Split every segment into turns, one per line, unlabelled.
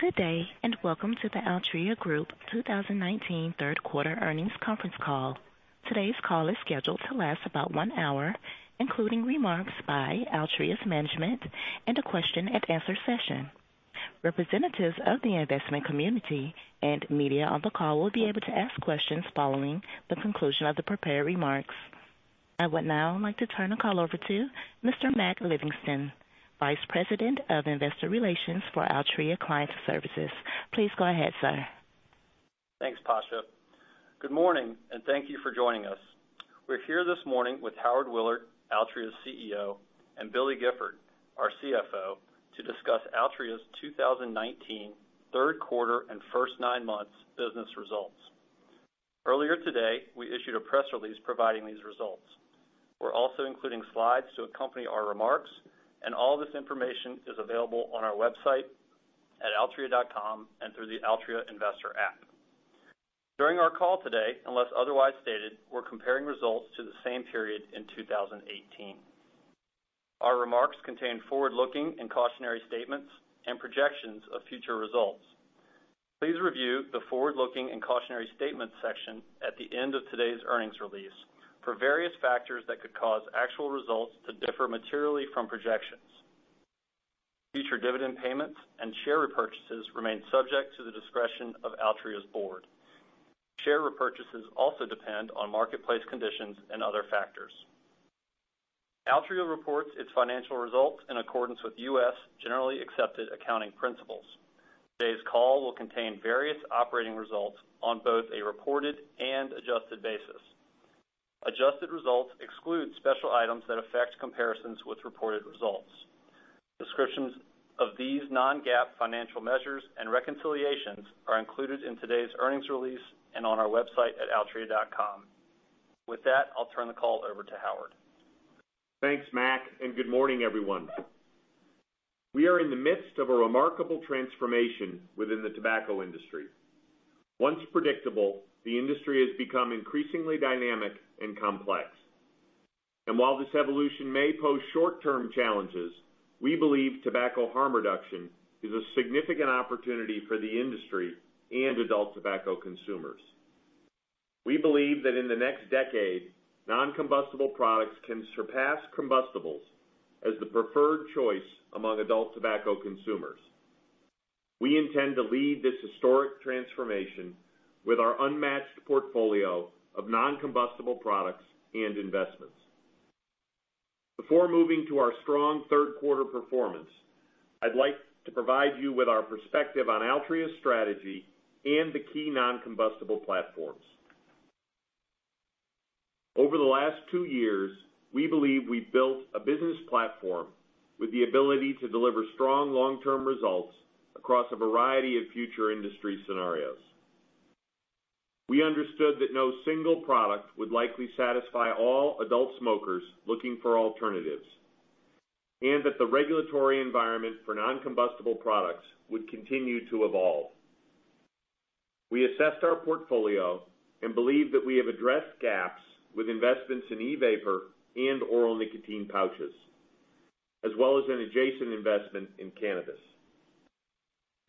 Good day. Welcome to the Altria Group 2019 third quarter earnings conference call. Today's call is scheduled to last about one hour, including remarks by Altria's management and a question and answer session. Representatives of the investment community and media on the call will be able to ask questions following the conclusion of the prepared remarks. I would now like to turn the call over to Mr. Mac Livingston, Vice President of Investor Relations for Altria Client Services. Please go ahead, sir.
Thanks, Pasha. Good morning, and thank you for joining us. We're here this morning with Howard Willard, Altria's CEO, and Billy Gifford, our CFO, to discuss Altria's 2019 third quarter and first nine months business results. Earlier today, we issued a press release providing these results. We're also including slides to accompany our remarks, and all this information is available on our website at altria.com and through the Altria investor app. During our call today, unless otherwise stated, we're comparing results to the same period in 2018. Our remarks contain forward-looking and cautionary statements and projections of future results. Please review the forward-looking and cautionary statements section at the end of today's earnings release for various factors that could cause actual results to differ materially from projections. Future dividend payments and share repurchases remain subject to the discretion of Altria's board. Share repurchases also depend on marketplace conditions and other factors. Altria reports its financial results in accordance with U.S. Generally Accepted Accounting Principles. Today's call will contain various operating results on both a reported and adjusted basis. Adjusted results exclude special items that affect comparisons with reported results. Descriptions of these non-GAAP financial measures and reconciliations are included in today's earnings release and on our website at altria.com. With that, I'll turn the call over to Howard.
Thanks, Mac. Good morning, everyone. We are in the midst of a remarkable transformation within the tobacco industry. Once predictable, the industry has become increasingly dynamic and complex. While this evolution may pose short-term challenges, we believe tobacco harm reduction is a significant opportunity for the industry and adult tobacco consumers. We believe that in the next decade, non-combustible products can surpass combustibles as the preferred choice among adult tobacco consumers. We intend to lead this historic transformation with our unmatched portfolio of non-combustible products and investments. Before moving to our strong third quarter performance, I'd like to provide you with our perspective on Altria's strategy and the key non-combustible platforms. Over the last two years, we believe we've built a business platform with the ability to deliver strong long-term results across a variety of future industry scenarios. We understood that no single product would likely satisfy all adult smokers looking for alternatives, and that the regulatory environment for non-combustible products would continue to evolve. We assessed our portfolio and believe that we have addressed gaps with investments in e-vapor and oral nicotine pouches, as well as an adjacent investment in cannabis.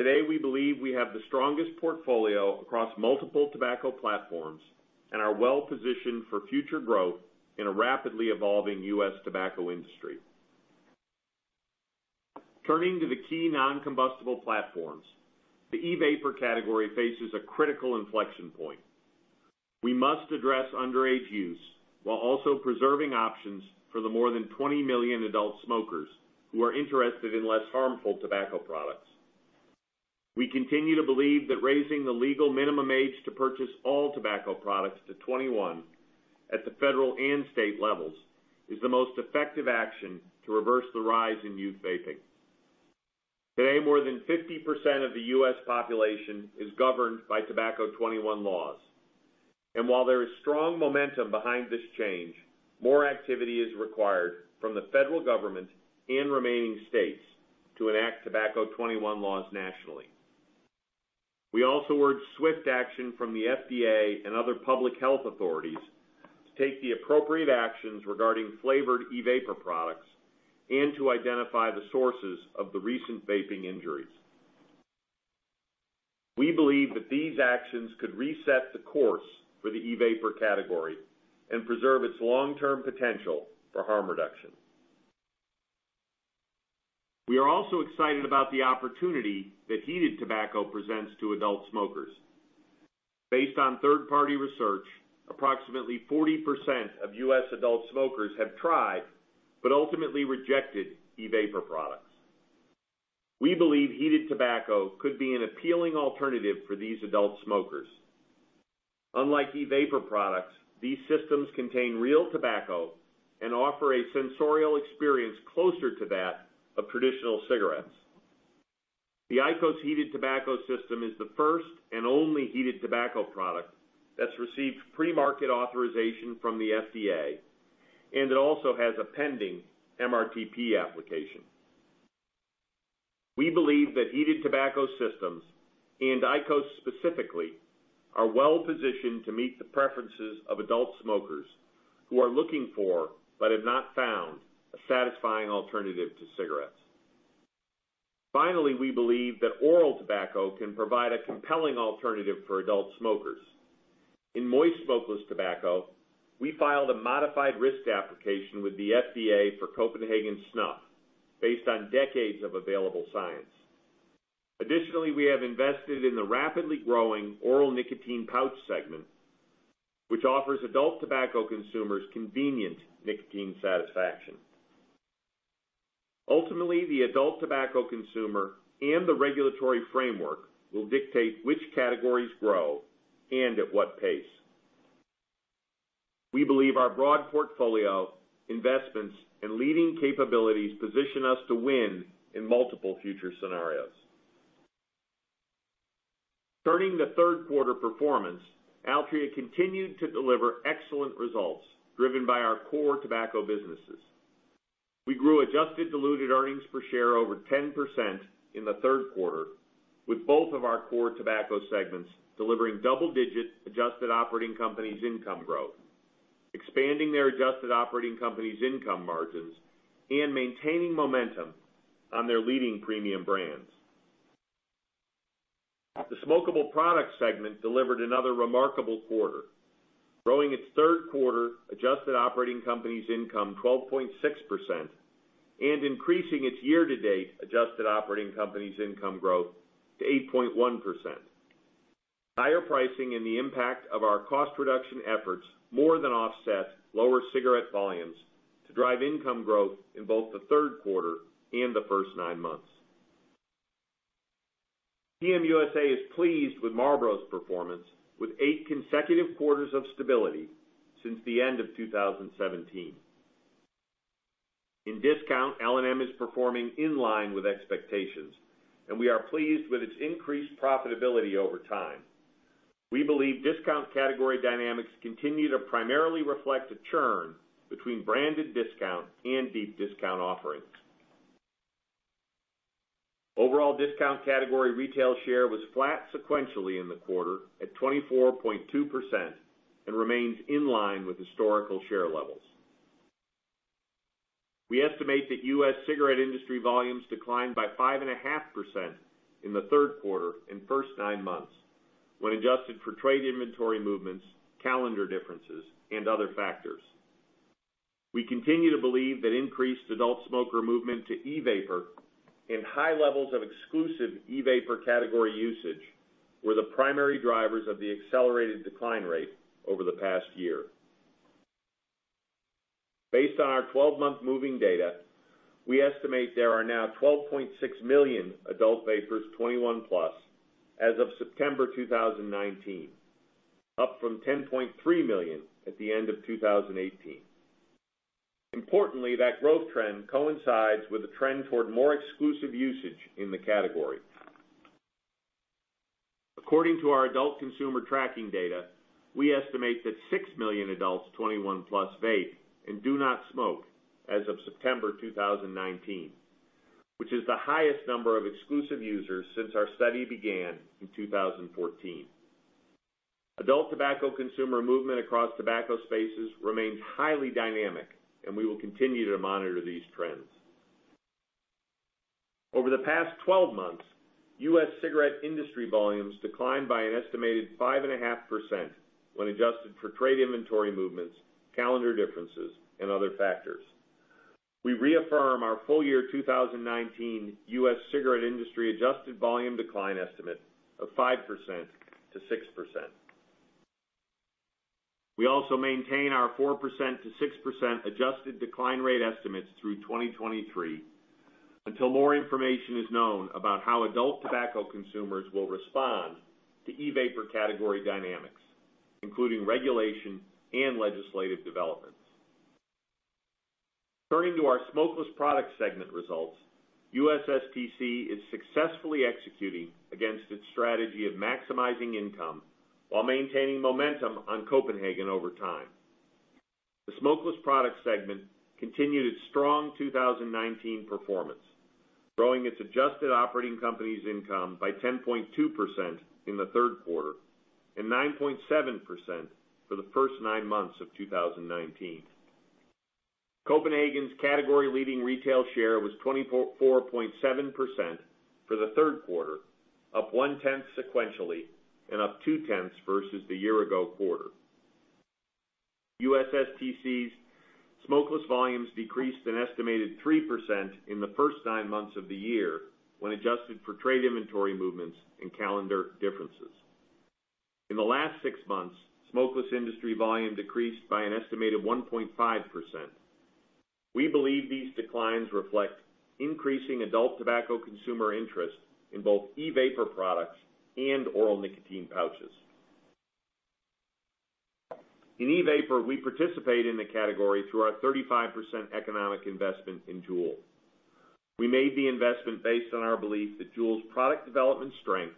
Today, we believe we have the strongest portfolio across multiple tobacco platforms and are well positioned for future growth in a rapidly evolving U.S. tobacco industry. Turning to the key non-combustible platforms, the e-vapor category faces a critical inflection point. We must address underage use while also preserving options for the more than 20 million adult smokers who are interested in less harmful tobacco products. We continue to believe that raising the legal minimum age to purchase all tobacco products to 21 at the federal and state levels is the most effective action to reverse the rise in youth vaping. Today, more than 50% of the U.S. population is governed by Tobacco 21 laws. While there is strong momentum behind this change, more activity is required from the federal government and remaining states to enact Tobacco 21 laws nationally. We also urge swift action from the FDA and other public health authorities to take the appropriate actions regarding flavored e-vapor products and to identify the sources of the recent vaping injuries. We believe that these actions could reset the course for the e-vapor category and preserve its long-term potential for harm reduction. We are also excited about the opportunity that heated tobacco presents to adult smokers. Based on third-party research, approximately 40% of U.S. adult smokers have tried, but ultimately rejected e-vapor products. We believe heated tobacco could be an appealing alternative for these adult smokers. Unlike e-vapor products, these systems contain real tobacco and offer a sensorial experience closer to that of traditional cigarettes. The IQOS heated tobacco system is the first and only heated tobacco product that's received pre-market authorization from the FDA, and it also has a pending MRTP application. We believe that heated tobacco systems, and IQOS specifically are well positioned to meet the preferences of adult smokers who are looking for, but have not found, a satisfying alternative to cigarettes. Finally, we believe that oral tobacco can provide a compelling alternative for adult smokers. In moist smokeless tobacco, we filed a modified risk application with the FDA for Copenhagen Snuff based on decades of available science. Additionally, we have invested in the rapidly growing oral nicotine pouch segment, which offers adult tobacco consumers convenient nicotine satisfaction. Ultimately, the adult tobacco consumer and the regulatory framework will dictate which categories grow and at what pace. We believe our broad portfolio, investments, and leading capabilities position us to win in multiple future scenarios. Turning to third quarter performance, Altria continued to deliver excellent results driven by our core tobacco businesses. We grew adjusted diluted earnings per share over 10% in the third quarter with both of our core tobacco segments delivering double-digit adjusted operating companies income growth, expanding their adjusted operating companies income margins, and maintaining momentum on their leading premium brands. The smokable product segment delivered another remarkable quarter, growing its third quarter adjusted operating company's income 12.6% and increasing its year-to-date adjusted operating company's income growth to 8.1%. Higher pricing and the impact of our cost reduction efforts more than offset lower cigarette volumes to drive income growth in both the third quarter and the first nine months. PM USA is pleased with Marlboro's performance with eight consecutive quarters of stability since the end of 2017. In discount, L&M is performing in line with expectations, and we are pleased with its increased profitability over time. We believe discount category dynamics continue to primarily reflect a churn between branded discount and deep discount offerings. Overall discount category retail share was flat sequentially in the quarter at 24.2% and remains in line with historical share levels. We estimate that U.S. cigarette industry volumes declined by 5.5% in the third quarter and first nine months when adjusted for trade inventory movements, calendar differences, and other factors. We continue to believe that increased adult smoker movement to e-vapor and high levels of exclusive e-vapor category usage were the primary drivers of the accelerated decline rate over the past year. Based on our 12-month moving data, we estimate there are now 12.6 million adult vapers 21+ as of September 2019, up from 10.3 million at the end of 2018. Importantly, that growth trend coincides with a trend toward more exclusive usage in the category. According to our adult consumer tracking data, we estimate that 6 million adults 21 plus vape and do not smoke as of September 2019, which is the highest number of exclusive users since our study began in 2014. Adult tobacco consumer movement across tobacco spaces remains highly dynamic, and we will continue to monitor these trends. Over the past 12 months, U.S. cigarette industry volumes declined by an estimated 5.5% when adjusted for trade inventory movements, calendar differences, and other factors. We reaffirm our full year 2019 U.S. cigarette industry adjusted volume decline estimate of 5%-6%. We also maintain our 4%-6% adjusted decline rate estimates through 2023 until more information is known about how adult tobacco consumers will respond to e-vapor category dynamics, including regulation and legislative developments. Turning to our smokeless product segment results, USSTC is successfully executing against its strategy of maximizing income while maintaining momentum on Copenhagen over time. The smokeless product segment continued its strong 2019 performance, growing its adjusted operating company's income by 10.2% in the third quarter and 9.7% for the first nine months of 2019. Copenhagen's category-leading retail share was 24.7% for the third quarter, up one tenth sequentially and up two tenths versus the year-ago quarter. USSTC's smokeless volumes decreased an estimated 3% in the first nine months of the year when adjusted for trade inventory movements and calendar differences. In the last six months, smokeless industry volume decreased by an estimated 1.5%. We believe these declines reflect increasing adult tobacco consumer interest in both e-vapor products and oral nicotine pouches. In e-vapor, we participate in the category through our 35% economic investment in Juul. We made the investment based on our belief that Juul's product development strength,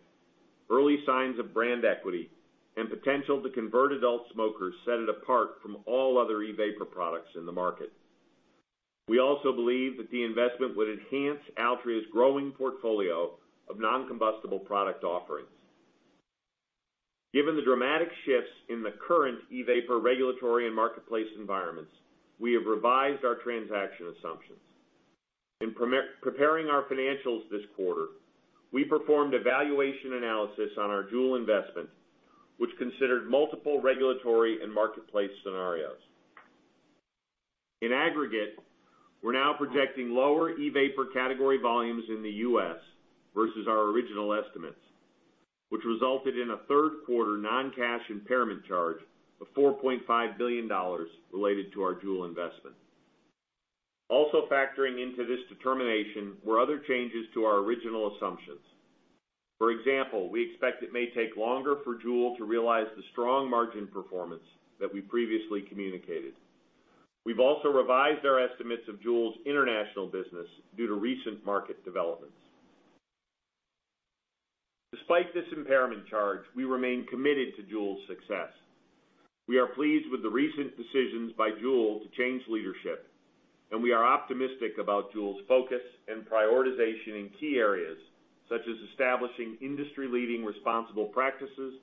early signs of brand equity, and potential to convert adult smokers set it apart from all other e-vapor products in the market. We also believe that the investment would enhance Altria's growing portfolio of non-combustible product offerings. Given the dramatic shifts in the current e-vapor regulatory and marketplace environments, we have revised our transaction assumptions. In preparing our financials this quarter, we performed a valuation analysis on our Juul investment, which considered multiple regulatory and marketplace scenarios. In aggregate, we're now projecting lower e-vapor category volumes in the U.S. versus our original estimates, which resulted in a third quarter non-cash impairment charge of $4.5 billion related to our Juul investment. Also factoring into this determination were other changes to our original assumptions. For example, we expect it may take longer for Juul to realize the strong margin performance that we previously communicated. We've also revised our estimates of Juul's international business due to recent market developments. Despite this impairment charge, we remain committed to Juul's success. We are pleased with the recent decisions by Juul to change leadership, and we are optimistic about Juul's focus and prioritization in key areas, such as establishing industry-leading responsible practices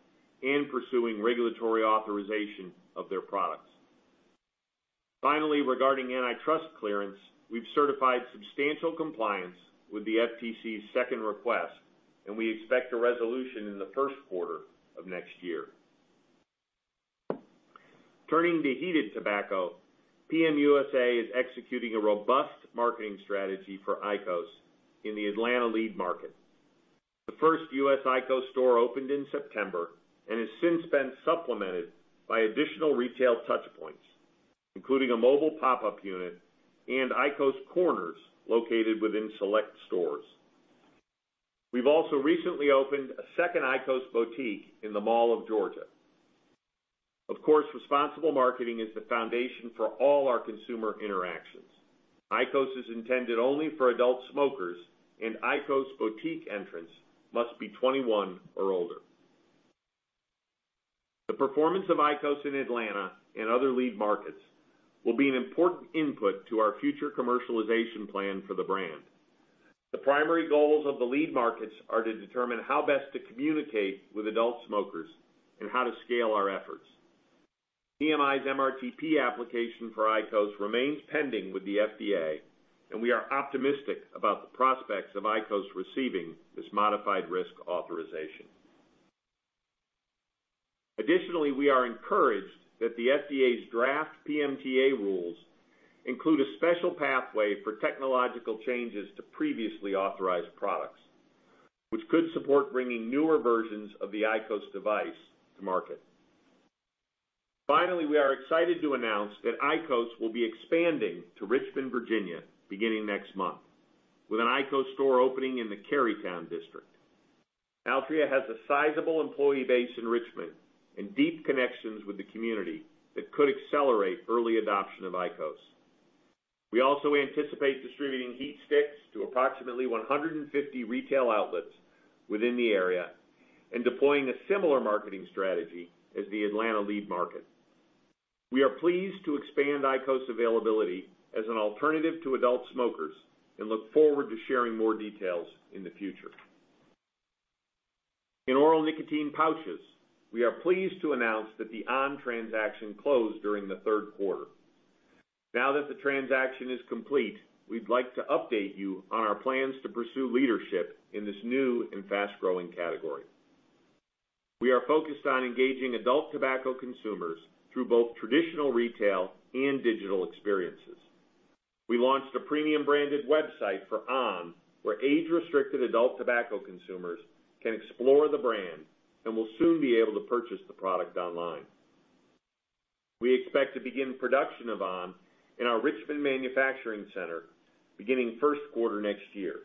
and pursuing regulatory authorization of their products. Finally, regarding antitrust clearance, we've certified substantial compliance with the FTC's second request, and we expect a resolution in the first quarter of next year. Turning to heated tobacco, PM USA is executing a robust marketing strategy for IQOS in the Atlanta lead market. The first U.S. IQOS store opened in September and has since been supplemented by additional retail touchpoints, including a mobile pop-up unit and IQOS Corners located within select stores. We've also recently opened a second IQOS boutique in the Mall of Georgia. Of course, responsible marketing is the foundation for all our consumer interactions. IQOS is intended only for adult smokers and IQOS boutique entrants must be 21 or older. The performance of IQOS in Atlanta and other lead markets will be an important input to our future commercialization plan for the brand. The primary goals of the lead markets are to determine how best to communicate with adult smokers and how to scale our efforts. PMI's MRTP application for IQOS remains pending with the FDA, and we are optimistic about the prospects of IQOS receiving this modified risk authorization. Additionally, we are encouraged that the FDA's draft PMTA rules include a special pathway for technological changes to previously authorized products, which could support bringing newer versions of the IQOS device to market. Finally, we are excited to announce that IQOS will be expanding to Richmond, Virginia beginning next month with an IQOS store opening in the Carytown district. Altria has a sizable employee base in Richmond and deep connections with the community that could accelerate early adoption of IQOS. We also anticipate distributing HeatSticks to approximately 150 retail outlets within the area and deploying a similar marketing strategy as the Atlanta lead market. We are pleased to expand IQOS availability as an alternative to adult smokers and look forward to sharing more details in the future. In oral nicotine pouches, we are pleased to announce that the on! transaction closed during the third quarter. Now that the transaction is complete, we'd like to update you on our plans to pursue leadership in this new and fast-growing category. We are focused on engaging adult tobacco consumers through both traditional retail and digital experiences. We launched a premium branded website for on!, where age-restricted adult tobacco consumers can explore the brand and will soon be able to purchase the product online. We expect to begin production of on! in our Richmond manufacturing center beginning first quarter next year.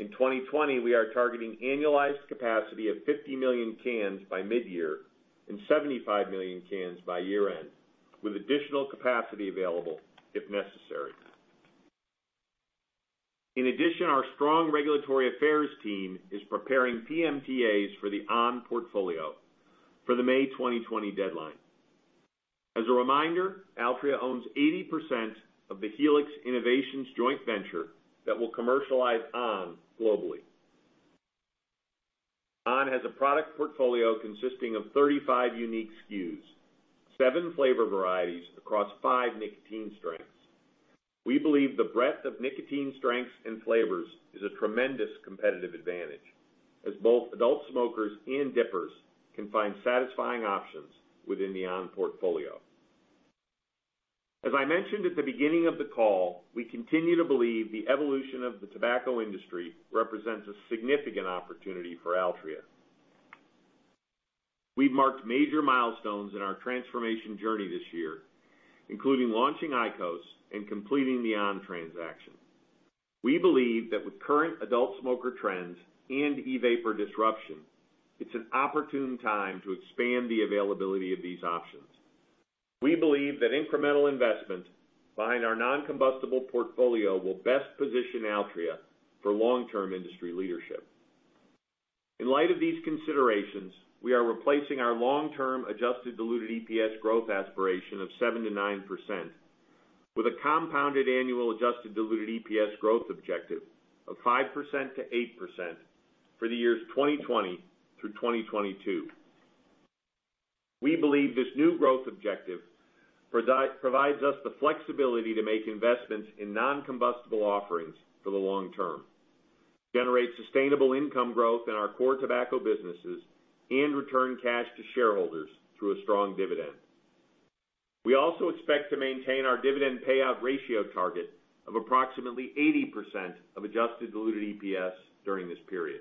In 2020, we are targeting annualized capacity of 50 million cans by mid-year and 75 million cans by year-end, with additional capacity available if necessary. In addition, our strong regulatory affairs team is preparing PMTAs for the on! portfolio for the May 2020 deadline. As a reminder, Altria owns 80% of the Helix Innovations joint venture that will commercialize on! globally. on! has a product portfolio consisting of 35 unique SKUs, seven flavor varieties across five nicotine strengths. We believe the breadth of nicotine strengths and flavors is a tremendous competitive advantage as both adult smokers and dippers can find satisfying options within the on! portfolio. As I mentioned at the beginning of the call, we continue to believe the evolution of the tobacco industry represents a significant opportunity for Altria. We've marked major milestones in our transformation journey this year, including launching IQOS and completing the on! transaction. We believe that with current adult smoker trends and e-vapor disruption, it's an opportune time to expand the availability of these options. We believe that incremental investment behind our non-combustible portfolio will best position Altria for long-term industry leadership. In light of these considerations, we are replacing our long-term adjusted diluted EPS growth aspiration of 7%-9% with a compounded annual adjusted diluted EPS growth objective of 5%-8% for the years 2020 through 2022. We believe this new growth objective provides us the flexibility to make investments in non-combustible offerings for the long term, generate sustainable income growth in our core tobacco businesses, and return cash to shareholders through a strong dividend. We also expect to maintain our dividend payout ratio target of approximately 80% of adjusted diluted EPS during this period.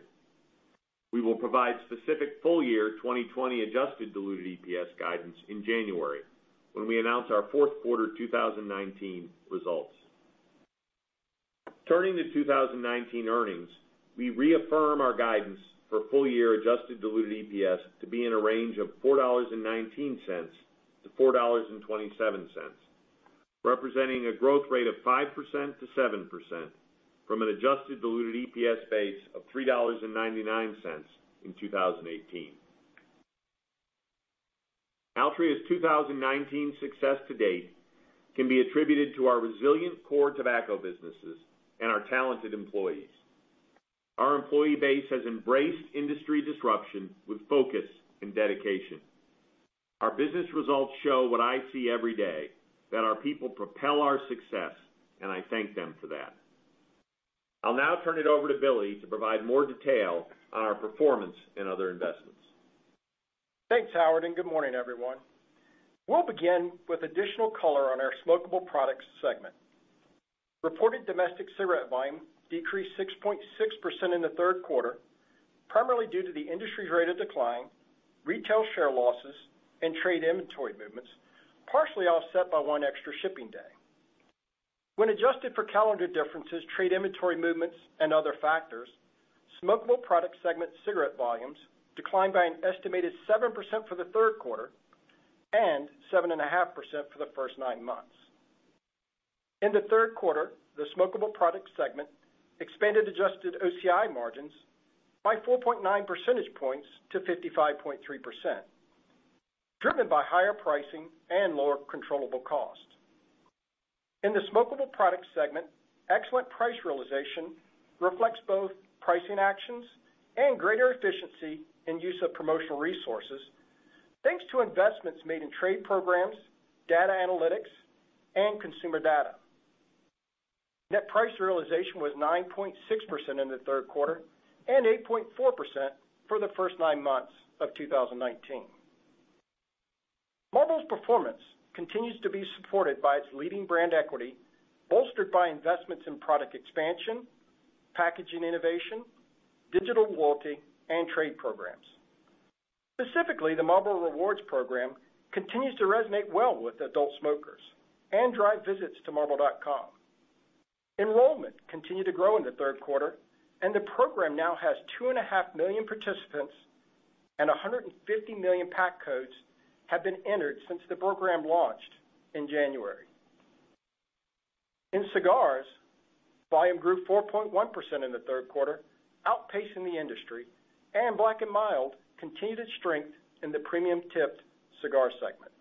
We will provide specific full-year 2020 adjusted diluted EPS guidance in January, when we announce our fourth quarter 2019 results. Turning to 2019 earnings, we reaffirm our guidance for full-year adjusted diluted EPS to be in a range of $4.19-$4.27, representing a growth rate of 5%-7% from an adjusted diluted EPS base of $3.99 in 2018. Altria's 2019 success to date can be attributed to our resilient core tobacco businesses and our talented employees. Our employee base has embraced industry disruption with focus and dedication. Our business results show what I see every day, that our people propel our success, and I thank them for that. I'll now turn it over to Billy to provide more detail on our performance and other investments.
Thanks, Howard. Good morning, everyone. We'll begin with additional color on our Smokable Products segment. Reported domestic cigarette volume decreased 6.6% in the third quarter, primarily due to the industry's rate of decline, retail share losses, and trade inventory movements, partially offset by one extra shipping day. When adjusted for calendar differences, trade inventory movements, and other factors, Smokable Products segment cigarette volumes declined by an estimated 7% for the third quarter and 7.5% for the first nine months. In the third quarter, the Smokable Products segment expanded adjusted OCI margins by 4.9 percentage points to 55.3%, driven by higher pricing and lower controllable costs. In the Smokable Products segment, excellent price realization reflects both pricing actions and greater efficiency in use of promotional resources, thanks to investments made in trade programs, data analytics, and consumer data. Net price realization was 9.6% in the third quarter, and 8.4% for the first nine months of 2019. Marlboro's performance continues to be supported by its leading brand equity, bolstered by investments in product expansion, packaging innovation, digital loyalty, and trade programs. Specifically, the Marlboro Rewards program continues to resonate well with adult smokers and drive visits to marlboro.com. Enrollment continued to grow in the third quarter, and the program now has 2.5 million participants and 150 million pack codes have been entered since the program launched in January. In cigars, volume grew 4.1% in the third quarter, outpacing the industry, and Black & Mild continued its strength in the premium tipped cigar segment.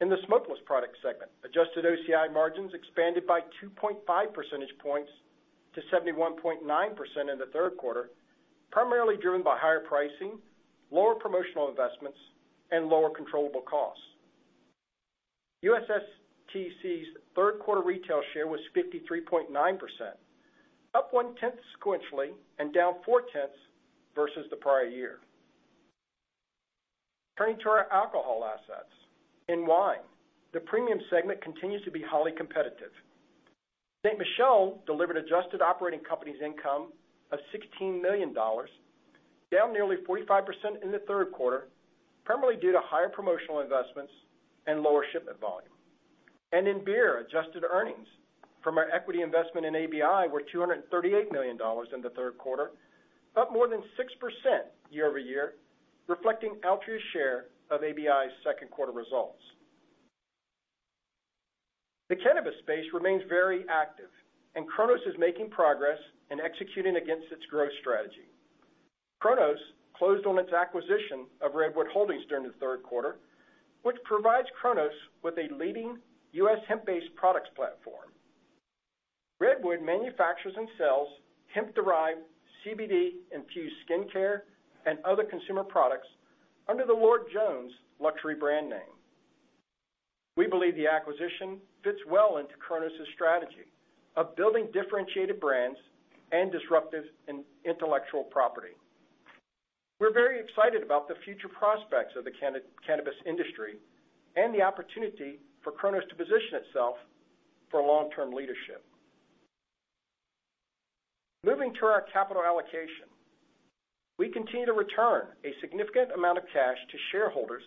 In the smokeless products segment, adjusted OCI margins expanded by 2.5 percentage points to 71.9% in the third quarter, primarily driven by higher pricing, lower promotional investments, and lower controllable costs. USSTC's third quarter retail share was 53.9%, up one tenth sequentially and down four tenths versus the prior year. Turning to our alcohol assets. In wine, the premium segment continues to be highly competitive. Ste. Michelle delivered adjusted operating company's income of $16 million, down nearly 45% in the third quarter, primarily due to higher promotional investments and lower shipment volume. In beer, adjusted earnings from our equity investment in ABI were $238 million in the third quarter, up more than 6% year over year, reflecting Altria's share of ABI's second quarter results. The cannabis space remains very active, and Cronos is making progress in executing against its growth strategy. Cronos closed on its acquisition of Redwood Holdings during the third quarter, which provides Cronos with a leading U.S. hemp-based products platform. Redwood manufactures and sells hemp-derived CBD infused skincare and other consumer products under the Lord Jones luxury brand name. We believe the acquisition fits well into Cronos' strategy of building differentiated brands and disruptive intellectual property. We're very excited about the future prospects of the cannabis industry and the opportunity for Cronos to position itself for long-term leadership. Moving to our capital allocation. We continue to return a significant amount of cash to shareholders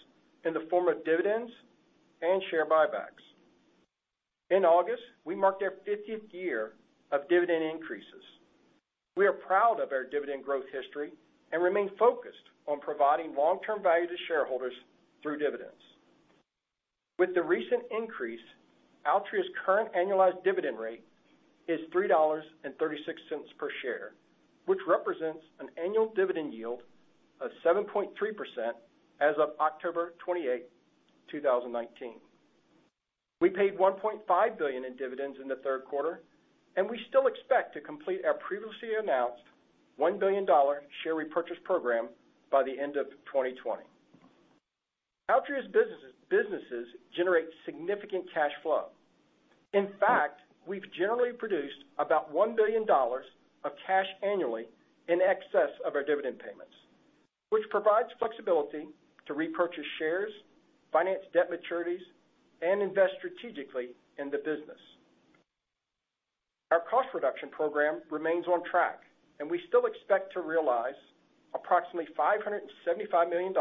in the form of dividends and share buybacks. In August, we marked our 50th year of dividend increases. We are proud of our dividend growth history and remain focused on providing long-term value to shareholders through dividends. With the recent increase, Altria's current annualized dividend rate is $3.36 per share, which represents an annual dividend yield of 7.3% as of October 28, 2019. We paid $1.5 billion in dividends in the third quarter. We still expect to complete our previously announced $1 billion share repurchase program by the end of 2020. Altria's businesses generate significant cash flow. In fact, we've generally produced about $1 billion of cash annually in excess of our dividend payments, which provides flexibility to repurchase shares, finance debt maturities, and invest strategically in the business. Our cost reduction program remains on track. We still expect to realize approximately $575 million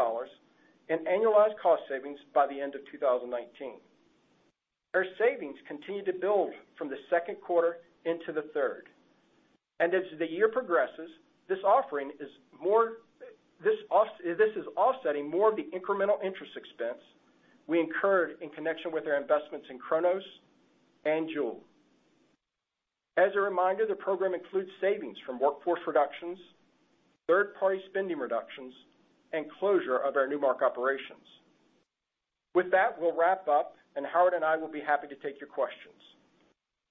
in annualized cost savings by the end of 2019. Our savings continue to build from the second quarter into the third. As the year progresses, this is offsetting more of the incremental interest expense we incurred in connection with our investments in Cronos and Juul. As a reminder, the program includes savings from workforce reductions, third-party spending reductions, and closure of our Nu Mark operations. With that, we'll wrap up, and Howard and I will be happy to take your questions.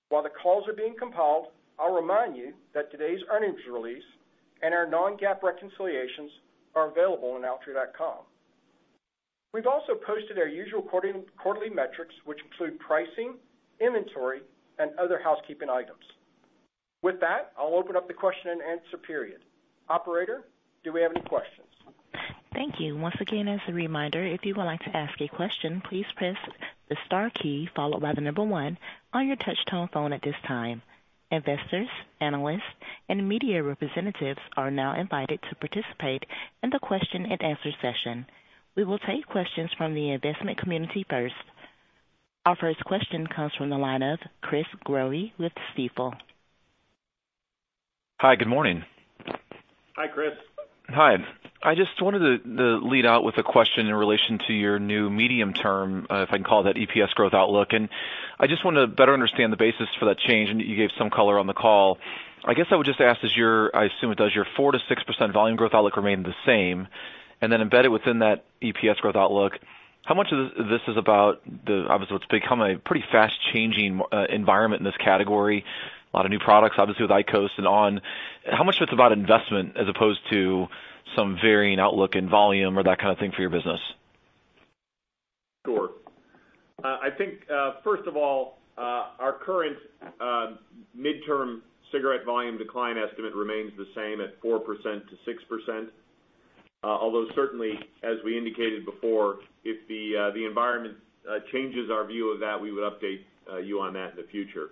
While the calls are being compiled, I'll remind you that today's earnings release and our non-GAAP reconciliations are available on altria.com. We've also posted our usual quarterly metrics, which include pricing, inventory, and other housekeeping items. With that, I'll open up the question and answer period. Operator, do we have any questions?
Thank you. Once again, as a reminder, if you would like to ask a question, please press the star key followed by the number one on your touch-tone phone at this time. Investors, analysts, and media representatives are now invited to participate in the question and answer session. We will take questions from the investment community first. Our first question comes from the line of Chris Growe with Stifel.
Hi, good morning.
Hi, Chris.
Hi. I just wanted to lead out with a question in relation to your new medium term, if I can call it that, EPS growth outlook. I just wanted to better understand the basis for that change, and you gave some color on the call. I guess I would just ask, I assume it does, your 4%-6% volume growth outlook remained the same. Then embedded within that EPS growth outlook, how much of this is about the, obviously, what's become a pretty fast-changing environment in this category, a lot of new products, obviously, with IQOS and on! How much of it's about investment as opposed to some varying outlook in volume or that kind of thing for your business?
Sure. I think, first of all, our current midterm cigarette volume decline estimate remains the same at 4%-6%, although certainly, as we indicated before, if the environment changes our view of that, we would update you on that in the future.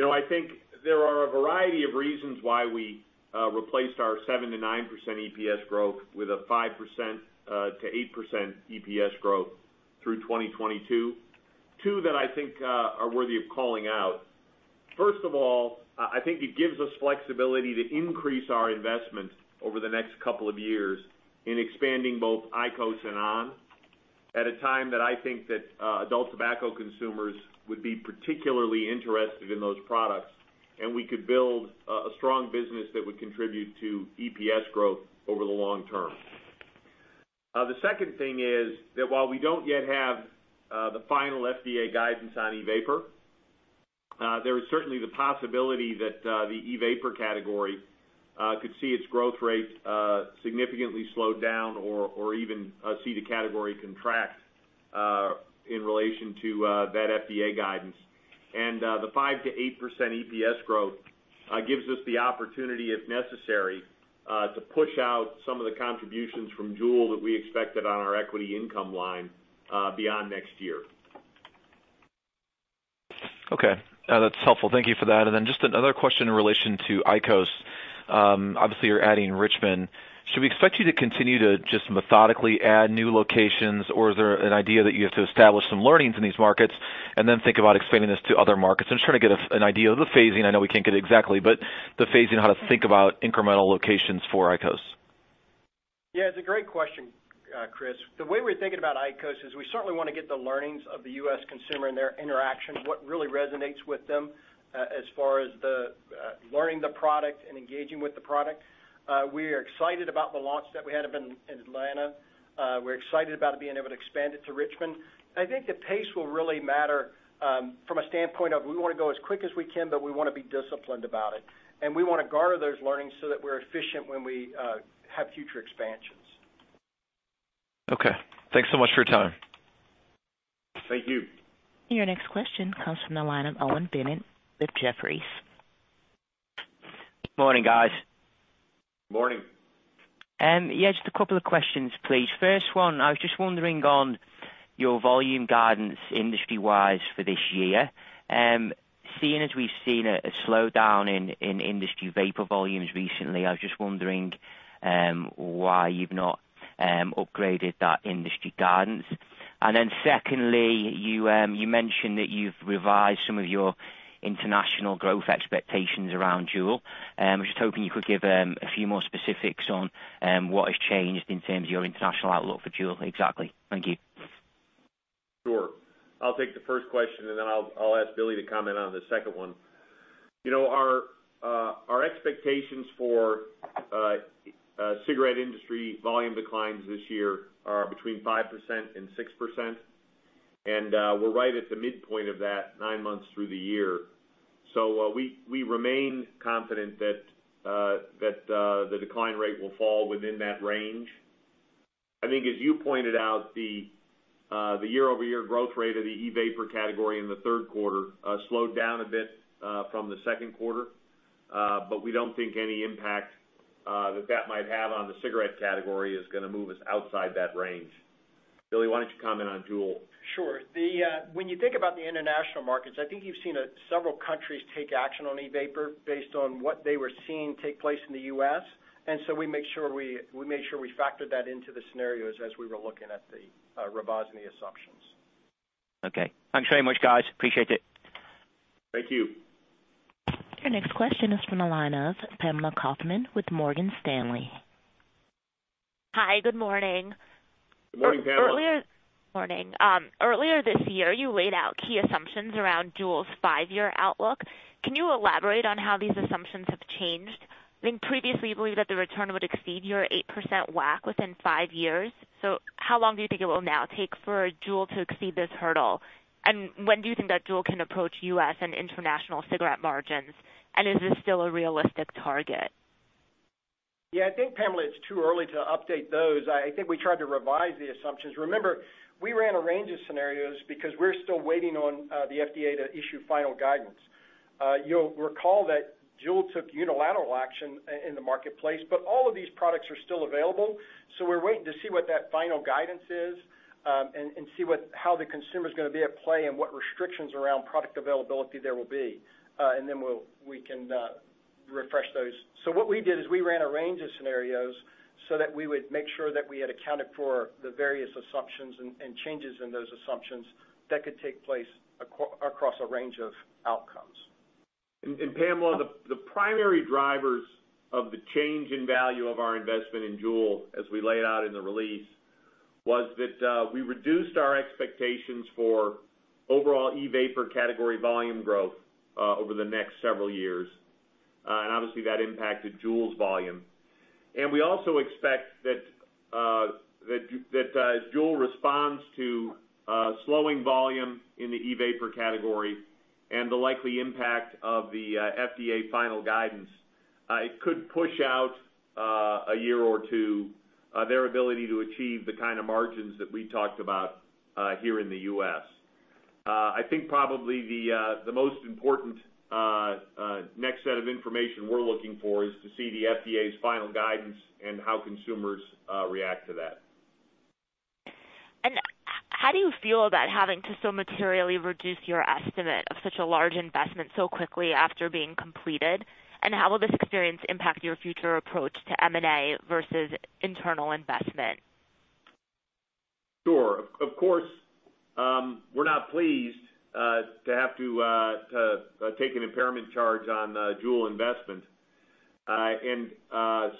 I think there are a variety of reasons why we replaced our 7%-9% EPS growth with a 5%-8% EPS growth through 2022. Two that I think are worthy of calling out. First of all, I think it gives us flexibility to increase our investments over the next couple of years in expanding both IQOS and on! at a time that I think that adult tobacco consumers would be particularly interested in those products, and we could build a strong business that would contribute to EPS growth over the long term. The second thing is that while we don't yet have the final FDA guidance on e-vapor, there is certainly the possibility that the e-vapor category could see its growth rate significantly slowed down or even see the category contract in relation to that FDA guidance. The 5%-8% EPS growth gives us the opportunity, if necessary, to push out some of the contributions from Juul that we expected on our equity income line beyond next year.
Okay. That's helpful. Thank you for that. Just another question in relation to IQOS. Obviously, you're adding Richmond. Should we expect you to continue to just methodically add new locations, or is there an idea that you have to establish some learnings in these markets and then think about expanding this to other markets? I'm just trying to get an idea of the phasing. I know we can't get it exactly, but the phasing, how to think about incremental locations for IQOS.
Yeah, it's a great question, Chris. The way we're thinking about IQOS is we certainly want to get the learnings of the U.S. consumer and their interaction, what really resonates with them as far as learning the product and engaging with the product. We are excited about the launch that we had up in Atlanta. We're excited about being able to expand it to Richmond. I think the pace will really matter from a standpoint of, we want to go as quick as we can, but we want to be disciplined about it. We want to garner those learnings so that we're efficient when we have future expansions.
Okay. Thanks so much for your time.
Thank you.
Your next question comes from the line of Owen Bennett with Jefferies.
Morning, guys.
Morning.
Yeah, just a couple of questions, please. First one, I was just wondering on your volume guidance industry-wise for this year. Seeing as we've seen a slowdown in industry vapor volumes recently, I was just wondering why you've not upgraded that industry guidance. Secondly, you mentioned that you've revised some of your international growth expectations around Juul. I'm just hoping you could give a few more specifics on what has changed in terms of your international outlook for Juul exactly. Thank you.
Sure. I'll take the first question, then I'll ask Billy to comment on the second one. Our expectations for cigarette industry volume declines this year are between 5% and 6%, we're right at the midpoint of that nine months through the year. We remain confident that the decline rate will fall within that range. I think as you pointed out, the year-over-year growth rate of the e-vapor category in the third quarter slowed down a bit from the second quarter, we don't think any impact that that might have on the cigarette category is going to move us outside that range. Billy, why don't you comment on Juul?
Sure. When you think about the international markets, I think you've seen several countries take action on e-vapor based on what they were seeing take place in the U.S. We made sure we factored that into the scenarios as we were looking at the revision assumptions.
Okay. Thanks very much, guys. Appreciate it.
Thank you.
Your next question is from the line of Pamela Kaufman with Morgan Stanley.
Hi. Good morning.
Good morning, Pamela.
Earlier this year, you laid out key assumptions around Juul's five-year outlook. Can you elaborate on how these assumptions have changed? I think previously you believed that the return would exceed your 8% WACC within five years. How long do you think it will now take for Juul to exceed this hurdle? When do you think that Juul can approach U.S. and international cigarette margins? Is this still a realistic target?
Yeah, I think, Pamela, it's too early to update those. I think we tried to revise the assumptions. Remember, we ran a range of scenarios because we're still waiting on the FDA to issue final guidance. You'll recall that Juul took unilateral action in the marketplace, but all of these products are still available. We're waiting to see what that final guidance is, and see how the consumer's going to be at play and what restrictions around product availability there will be. We can refresh those. What we did is we ran a range of scenarios so that we would make sure that we had accounted for the various assumptions and changes in those assumptions that could take place across a range of outcomes.
Pamela, the primary drivers of the change in value of our investment in Juul, as we laid out in the release, was that we reduced our expectations for overall e-vapor category volume growth over the next several years. Obviously, that impacted Juul's volume. We also expect that as Juul responds to slowing volume in the e-vapor category and the likely impact of the FDA final guidance, it could push out a year or two their ability to achieve the kind of margins that we talked about here in the U.S. I think probably the most important next set of information we're looking for is to see the FDA's final guidance and how consumers react to that.
How do you feel about having to so materially reduce your estimate of such a large investment so quickly after being completed? How will this experience impact your future approach to M&A versus internal investment?
Sure. Of course, we're not pleased to have to take an impairment charge on the Juul investment.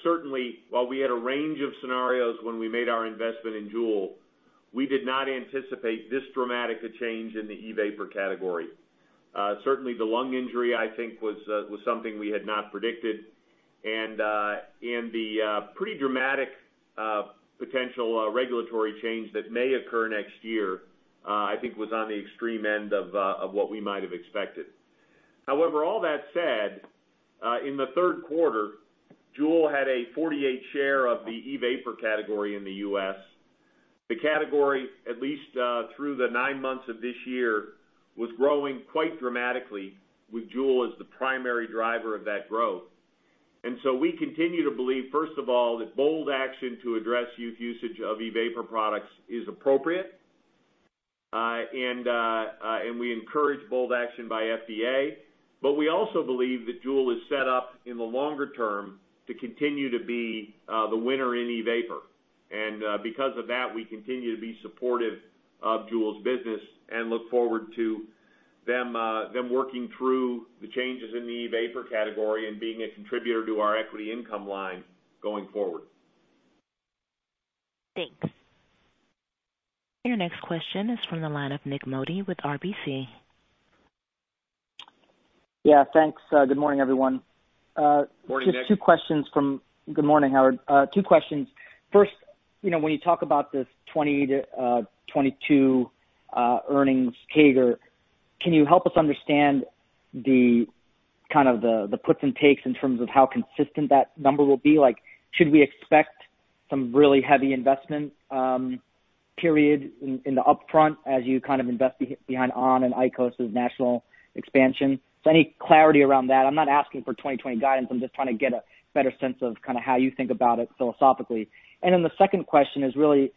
Certainly, while we had a range of scenarios when we made our investment in Juul, we did not anticipate this dramatic a change in the e-vapor category. Certainly, the lung injury, I think, was something we had not predicted. The pretty dramatic potential regulatory change that may occur next year, I think was on the extreme end of what we might have expected. However, all that said, in the third quarter, Juul had a 48% share of the e-vapor category in the U.S. The category, at least through the nine months of this year, was growing quite dramatically with Juul as the primary driver of that growth. We continue to believe, first of all, that bold action to address youth usage of e-vapor products is appropriate, and we encourage bold action by FDA. We also believe that Juul is set up in the longer term to continue to be the winner in e-vapor. We continue to be supportive of Juul's business and look forward to them working through the changes in the e-vapor category and being a contributor to our equity income line going forward.
Thanks.
Your next question is from the line of Nik Modi with RBC.
Yeah, thanks. Good morning, everyone.
Morning, Nik.
Good morning, Howard. Two questions. First, when you talk about this 2020 to 2022 earnings CAGR, can you help us understand the puts and takes in terms of how consistent that number will be? Should we expect some really heavy investment period in the upfront as you invest behind on! and IQOS' national expansion? Any clarity around that. I'm not asking for 2020 guidance, I'm just trying to get a better sense of how you think about it philosophically. The second question is really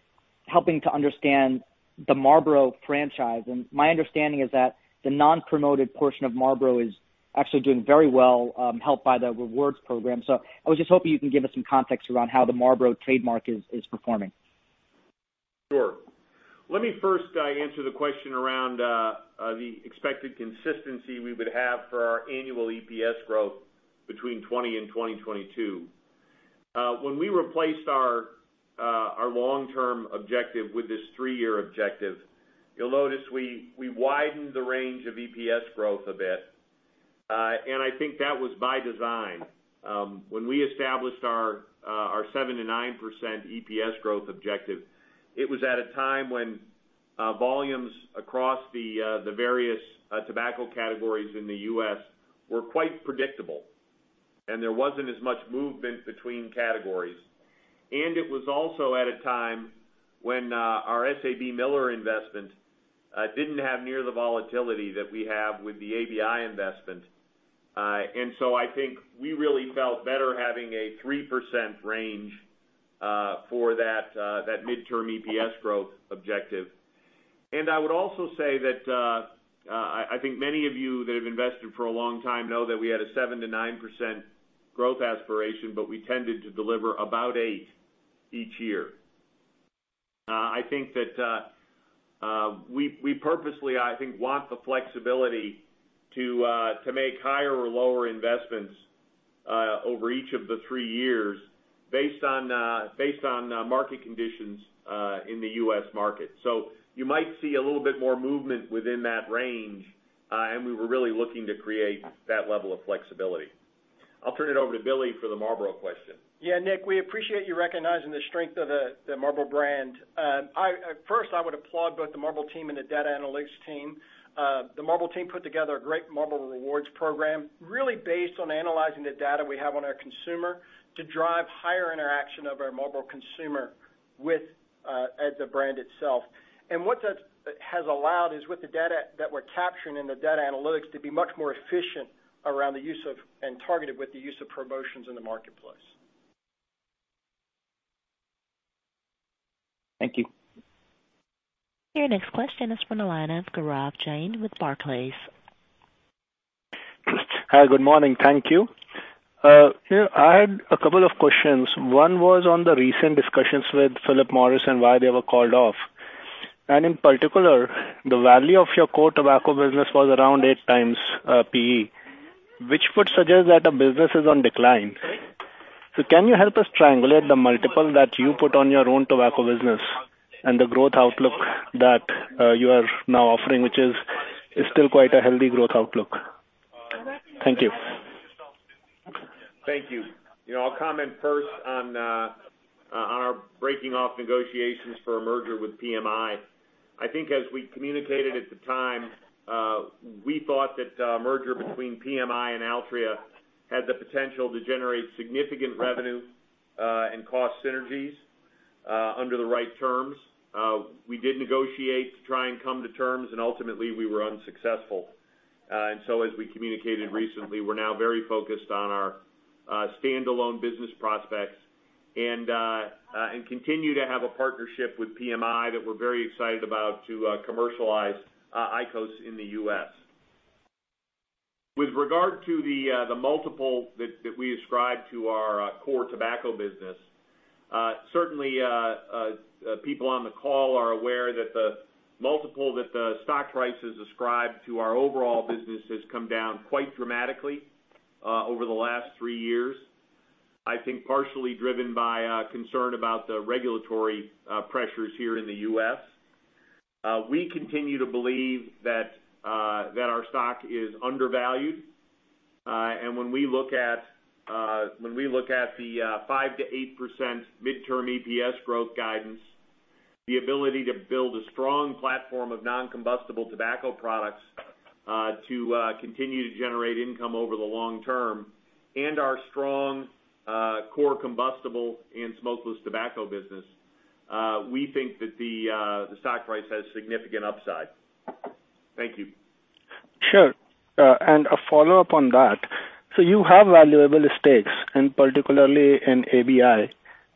helping to understand the Marlboro franchise. My understanding is that the non-promoted portion of Marlboro is actually doing very well, helped by the rewards program. I was just hoping you can give us some context around how the Marlboro trademark is performing.
Sure. Let me first answer the question around the expected consistency we would have for our annual EPS growth between 2020 and 2022. When we replaced our long-term objective with this three-year objective, you'll notice we widened the range of EPS growth a bit. I think that was by design. When we established our 7%-9% EPS growth objective, it was at a time when volumes across the various tobacco categories in the U.S. were quite predictable, and there wasn't as much movement between categories. It was also at a time when our SABMiller investment didn't have near the volatility that we have with the ABI investment. I think we really felt better having a 3% range for that midterm EPS growth objective. I would also say that I think many of you that have invested for a long time know that we had a 7%-9% growth aspiration, but we tended to deliver about eight each year. I think that we purposely want the flexibility to make higher or lower investments over each of the three years based on market conditions in the U.S. market. You might see a little bit more movement within that range, and we were really looking to create that level of flexibility. I'll turn it over to Billy for the Marlboro question.
Yeah, Nik, we appreciate you recognizing the strength of the Marlboro brand. First, I would applaud both the Marlboro team and the data analytics team. The Marlboro team put together a great Marlboro Rewards program, really based on analyzing the data we have on our consumer to drive higher interaction of our Marlboro consumer with the brand itself. What that has allowed is with the data that we're capturing and the data analytics to be much more efficient around the use of, and targeted with the use of promotions in the marketplace.
Thank you.
Your next question is from the line of Gaurav Jain with Barclays.
Hi, good morning. Thank you. I had a couple of questions. One was on the recent discussions with Philip Morris and why they were called off. In particular, the value of your core tobacco business was around 8x PE, which would suggest that the business is on decline. Can you help us triangulate the multiple that you put on your own tobacco business and the growth outlook that you are now offering, which is still quite a healthy growth outlook? Thank you.
Thank you. I'll comment first on our breaking off negotiations for a merger with PMI. As we communicated at the time, we thought that a merger between PMI and Altria had the potential to generate significant revenue and cost synergies under the right terms. We did negotiate to try and come to terms, ultimately we were unsuccessful. As we communicated recently, we're now very focused on our standalone business prospects and continue to have a partnership with PMI that we're very excited about to commercialize IQOS in the U.S. With regard to the multiple that we ascribe to our core tobacco business, certainly, people on the call are aware that the multiple that the stock price has ascribed to our overall business has come down quite dramatically over the last three years, I think partially driven by concern about the regulatory pressures here in the U.S. We continue to believe that our stock is undervalued. When we look at the 5%-8% midterm EPS growth guidance, the ability to build a strong platform of non-combustible tobacco products to continue to generate income over the long term, and our strong core combustible and smokeless tobacco business, we think that the stock price has significant upside. Thank you.
Sure. A follow-up on that. You have valuable stakes, and particularly in ABI,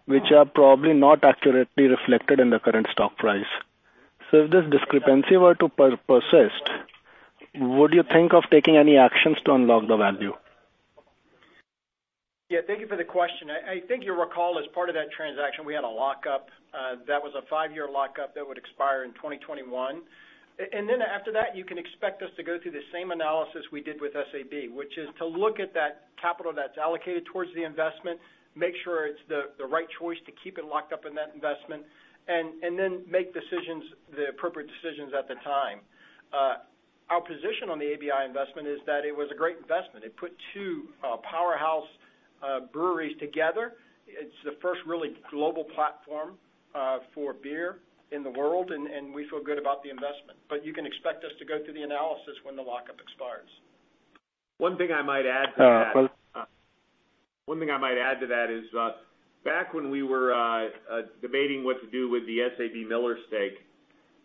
which are probably not accurately reflected in the current stock price. If this discrepancy were to persist, would you think of taking any actions to unlock the value?
Yeah, thank you for the question. I think you'll recall as part of that transaction, we had a lockup. That was a five-year lockup that would expire in 2021. Then after that, you can expect us to go through the same analysis we did with SABMiller, which is to look at that capital that's allocated towards the investment, make sure it's the right choice to keep it locked up in that investment, and then make the appropriate decisions at the time. Our position on the ABI investment is that it was a great investment. It put two powerhouse breweries together. It's the first really global platform for beer in the world, and we feel good about the investment. You can expect us to go through the analysis when the lockup expires.
One thing I might add to that is back when we were debating what to do with the SABMiller stake,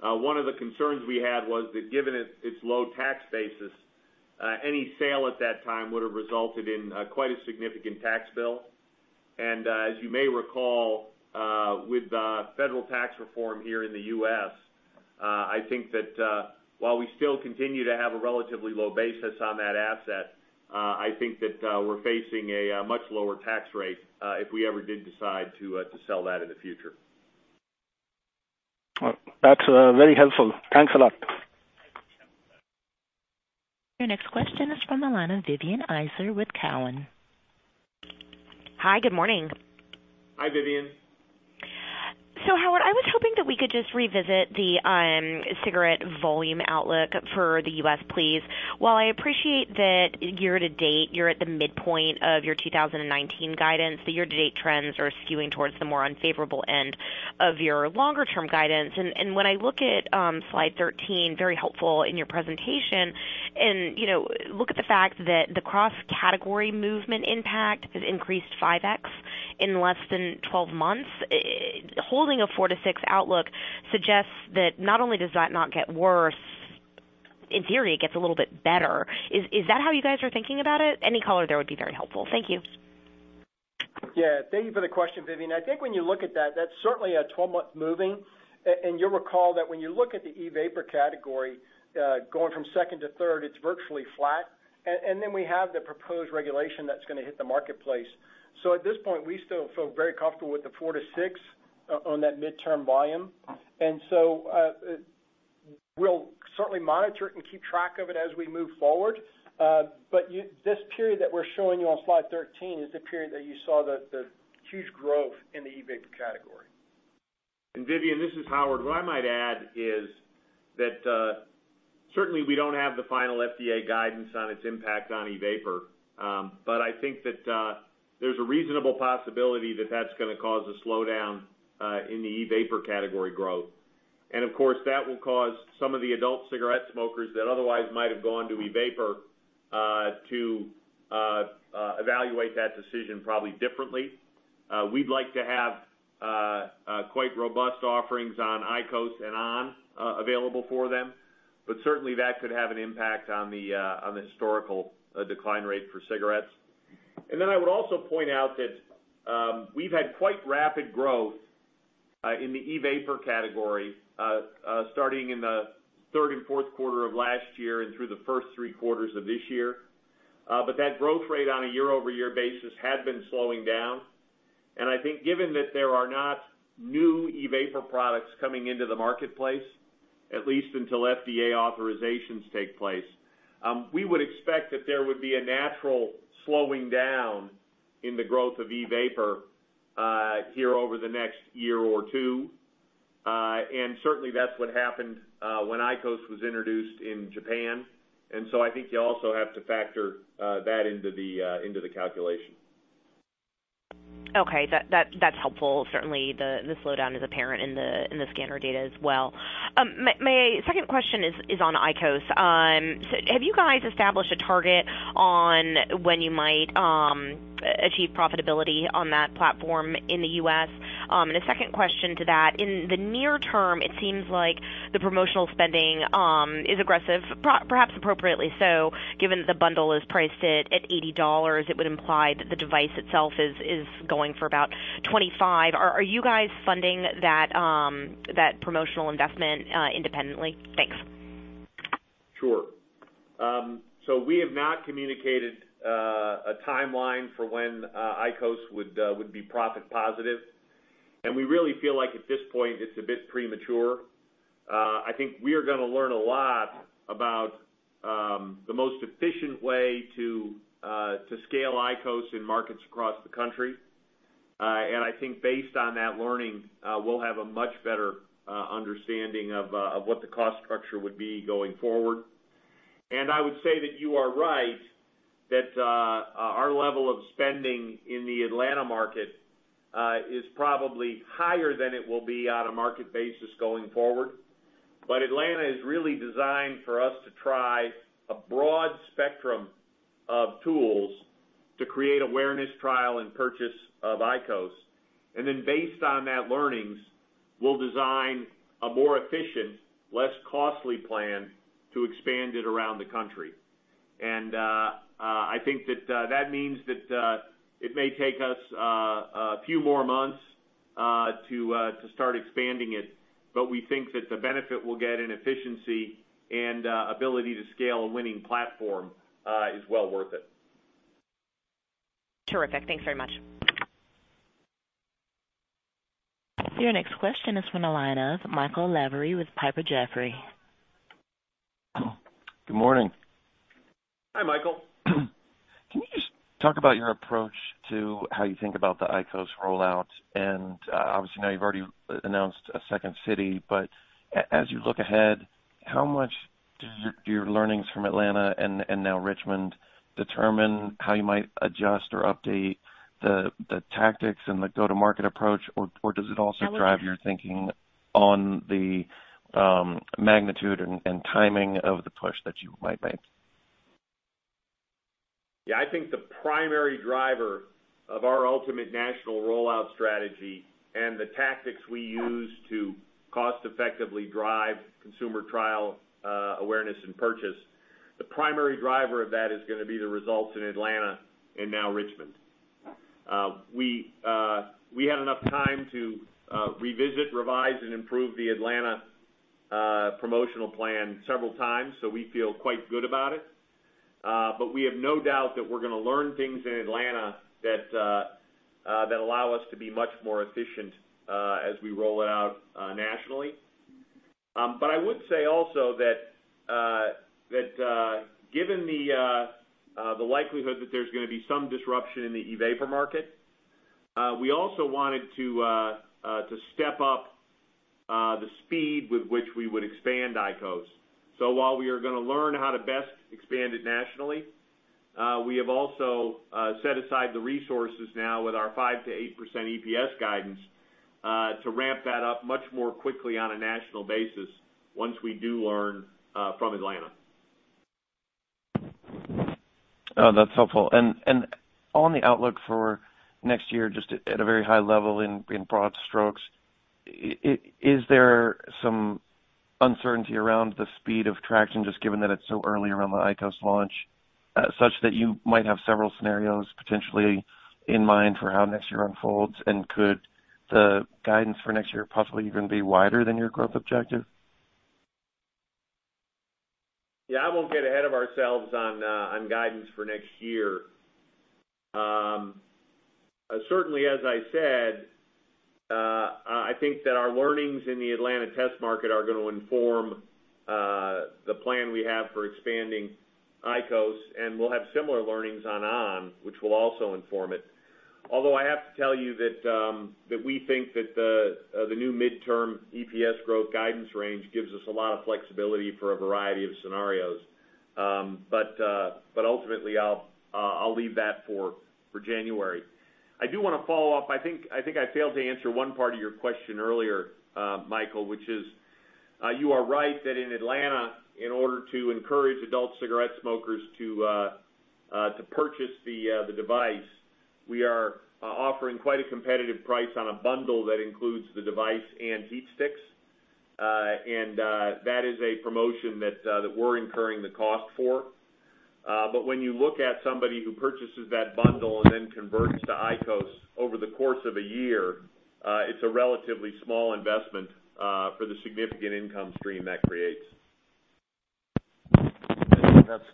one of the concerns we had was that given its low tax basis, any sale at that time would have resulted in quite a significant tax bill. As you may recall, with federal tax reform here in the U.S., I think that while we still continue to have a relatively low basis on that asset, I think that we're facing a much lower tax rate if we ever did decide to sell that in the future.
That's very helpful. Thanks a lot.
Your next question is from the line of Vivien Azer with Cowen.
Hi, good morning.
Hi, Vivien.
Howard, I was hoping that we could just revisit the cigarette volume outlook for the U.S., please. While I appreciate that year-to-date, you're at the midpoint of your 2019 guidance, the year-to-date trends are skewing towards the more unfavorable end of your longer-term guidance. When I look at slide 13, very helpful in your presentation, and look at the fact that the cross-category movement impact has increased 5x in less than 12 months. Holding a four to six outlook suggests that not only does that not get worse, in theory, it gets a little bit better. Is that how you guys are thinking about it? Any color there would be very helpful. Thank you.
Thank you for the question, Vivien. I think when you look at that's certainly a 12-month moving. You'll recall that when you look at the e-vapor category, going from second to third, it's virtually flat. Then we have the proposed regulation that's going to hit the marketplace. At this point, we still feel very comfortable with the four to six on that midterm volume. We'll certainly monitor it and keep track of it as we move forward. This period that we're showing you on slide 13 is the period that you saw the huge growth in the e-vapor category.
Vivien, this is Howard. What I might add is that, certainly we don't have the final FDA guidance on its impact on e-vapor. I think that there's a reasonable possibility that that's going to cause a slowdown in the e-vapor category growth. Of course, that will cause some of the adult cigarette smokers that otherwise might have gone to e-vapor, to evaluate that decision probably differently. We'd like to have quite robust offerings on IQOS and on! available for them, but certainly that could have an impact on the historical decline rate for cigarettes. I would also point out that we've had quite rapid growth in the e-vapor category, starting in the third and fourth quarter of last year and through the first three quarters of this year. That growth rate on a year-over-year basis had been slowing down. I think given that there are not new e-vapor products coming into the marketplace, at least until FDA authorizations take place, we would expect that there would be a natural slowing down in the growth of e-vapor here over the next year or two. Certainly that's what happened when IQOS was introduced in Japan. I think you also have to factor that into the calculation.
Okay. That's helpful. Certainly, the slowdown is apparent in the scanner data as well. My second question is on IQOS. Have you guys established a target on when you might achieve profitability on that platform in the U.S.? A second question to that, in the near term, it seems like the promotional spending is aggressive, perhaps appropriately so, given that the bundle is priced at $80, it would imply that the device itself is going for about $25. Are you guys funding that promotional investment independently? Thanks.
Sure. We have not communicated a timeline for when IQOS would be profit positive, and we really feel like at this point it's a bit premature. I think we are going to learn a lot about the most efficient way to scale IQOS in markets across the country. I think based on that learning, we'll have a much better understanding of what the cost structure would be going forward. I would say that you are right, that our level of spending in the Atlanta market is probably higher than it will be on a market basis going forward. Atlanta is really designed for us to try a broad spectrum of tools to create awareness, trial and purchase of IQOS. Based on that learnings, we'll design a more efficient, less costly plan to expand it around the country. I think that that means that it may take us a few more months to start expanding it, but we think that the benefit we'll get in efficiency and ability to scale a winning platform is well worth it.
Terrific. Thanks very much.
Your next question is from the line of Michael Lavery with Piper Jaffray.
Good morning.
Hi, Michael.
Can you just talk about your approach to how you think about the IQOS rollout? Obviously now you've already announced a second city, but as you look ahead, how much do your learnings from Atlanta and now Richmond determine how you might adjust or update the tactics and the go-to-market approach, or does it also drive your thinking on the magnitude and timing of the push that you might make?
Yeah, I think the primary driver of our ultimate national rollout strategy and the tactics we use to cost effectively drive consumer trial awareness and purchase, the primary driver of that is going to be the results in Atlanta and now Richmond. We had enough time to revisit, revise, and improve the Atlanta promotional plan several times, so we feel quite good about it. We have no doubt that we're going to learn things in Atlanta that allow us to be much more efficient as we roll it out nationally. I would say also that given the likelihood that there's going to be some disruption in the e-vapor market, we also wanted to step up the speed with which we would expand IQOS. While we are going to learn how to best expand it nationally, we have also set aside the resources now with our 5% to 8% EPS guidance, to ramp that up much more quickly on a national basis once we do learn from Atlanta.
That's helpful. On the outlook for next year, just at a very high level in broad strokes, is there some uncertainty around the speed of traction, just given that it's so early around the IQOS launch, such that you might have several scenarios potentially in mind for how next year unfolds? Could the guidance for next year possibly even be wider than your growth objective?
Yeah. I won't get ahead of ourselves on guidance for next year. Certainly as I said, I think that our learnings in the Atlanta test market are going to inform the plan we have for expanding IQOS, and we'll have similar learnings on on!, which will also inform it. I have to tell you that we think that the new midterm EPS growth guidance range gives us a lot of flexibility for a variety of scenarios. Ultimately, I'll leave that for January. I do want to follow up. I think I failed to answer one part of your question earlier, Michael, which is, you are right that in Atlanta, in order to encourage adult cigarette smokers to purchase the device, we are offering quite a competitive price on a bundle that includes the device and HeatSticks. That is a promotion that we're incurring the cost for. When you look at somebody who purchases that bundle and then converts to IQOS over the course of a year, it's a relatively small investment for the significant income stream that creates.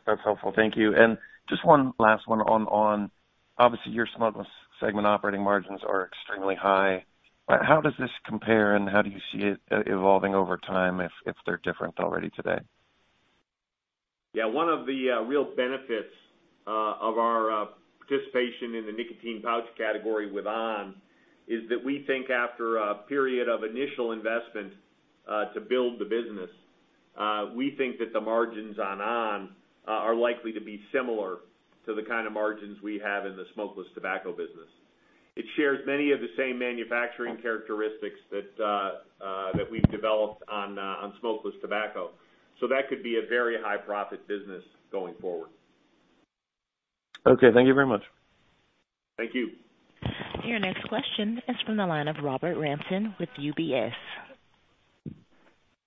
That's helpful. Thank you. Just one last one on on!. Obviously, your smokeless segment operating margins are extremely high. How does this compare, and how do you see it evolving over time, if they're different already today?
Yeah. One of the real benefits of our participation in the nicotine pouch category with on! is that we think after a period of initial investment to build the business, we think that the margins on on! are likely to be similar to the kind of margins we have in the smokeless tobacco business. It shares many of the same manufacturing characteristics that we've developed on smokeless tobacco. That could be a very high profit business going forward.
Okay. Thank you very much.
Thank you.
Your next question is from the line of Robert Rampton with UBS.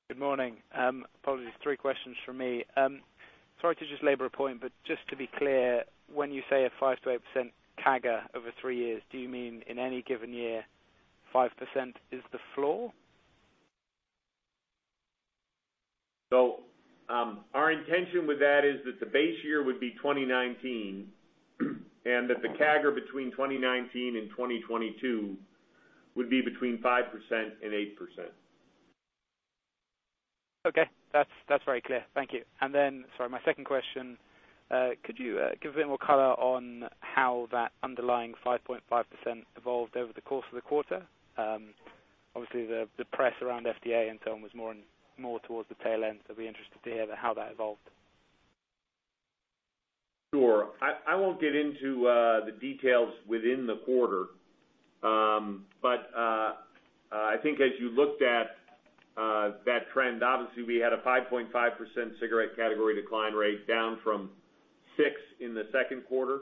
Good morning. Apologies, three questions from me. Sorry to just labor a point, but just to be clear, when you say a 5%-8% CAGR over three years, do you mean in any given year, 5% is the floor?
Our intention with that is that the base year would be 2019, and that the CAGR between 2019 and 2022 would be between 5% and 8%.
Okay. That's very clear. Thank you. Sorry, my second question. Could you give a bit more color on how that underlying 5.5% evolved over the course of the quarter? Obviously, the press around FDA and so on was more towards the tail end. I'd be interested to hear how that evolved.
Sure. I won't get into the details within the quarter. I think as you looked at that trend, obviously we had a 5.5% cigarette category decline rate down from 6% in the second quarter.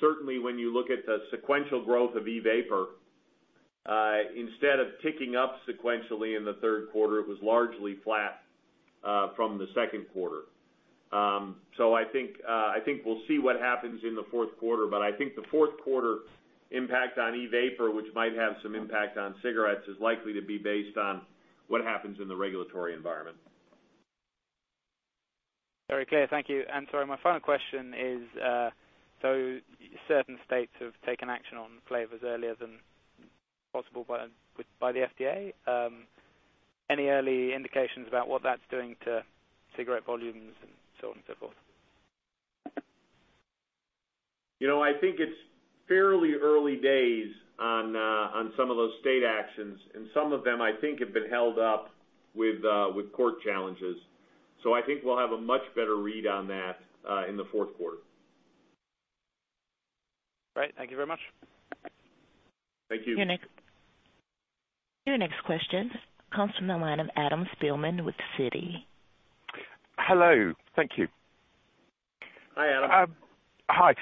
Certainly when you look at the sequential growth of e-vapor, instead of ticking up sequentially in the third quarter, it was largely flat from the second quarter. I think we'll see what happens in the fourth quarter, but I think the fourth quarter impact on e-vapor, which might have some impact on cigarettes, is likely to be based on what happens in the regulatory environment.
Very clear. Thank you. Sorry, my final question is, so certain states have taken action on flavors earlier than possible by the FDA. Any early indications about what that's doing to cigarette volumes and so on and so forth?
I think it's fairly early days on some of those state actions, and some of them, I think, have been held up with court challenges. I think we'll have a much better read on that in the fourth quarter.
Great. Thank you very much.
Thank you.
Your next question comes from the line of Adam Spielman with Citi.
Hello. Thank you.
Hi, Adam.
Hi.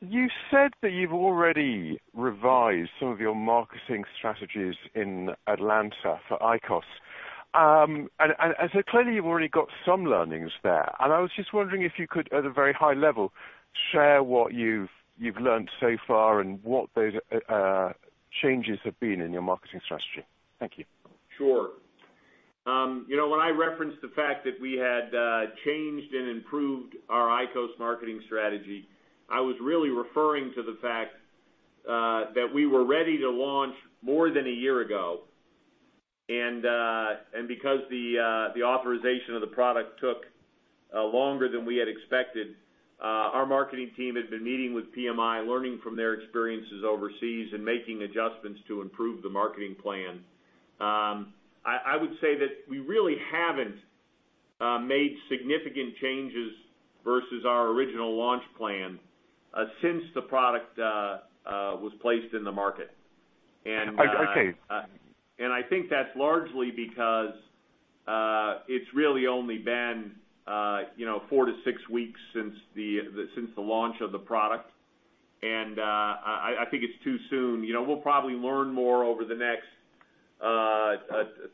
You said that you've already revised some of your marketing strategies in Atlanta for IQOS. Clearly you've already got some learnings there, and I was just wondering if you could, at a very high level, share what you've learned so far and what those changes have been in your marketing strategy? Thank you.
Sure. When I referenced the fact that we had changed and improved our IQOS marketing strategy, I was really referring to the fact that we were ready to launch more than a year ago. Because the authorization of the product took longer than we had expected, our marketing team had been meeting with PMI, learning from their experiences overseas, and making adjustments to improve the marketing plan. I would say that we really haven't made significant changes versus our original launch plan since the product was placed in the market.
Okay.
I think that's largely because it's really only been four to six weeks since the launch of the product. I think it's too soon. We'll probably learn more over the next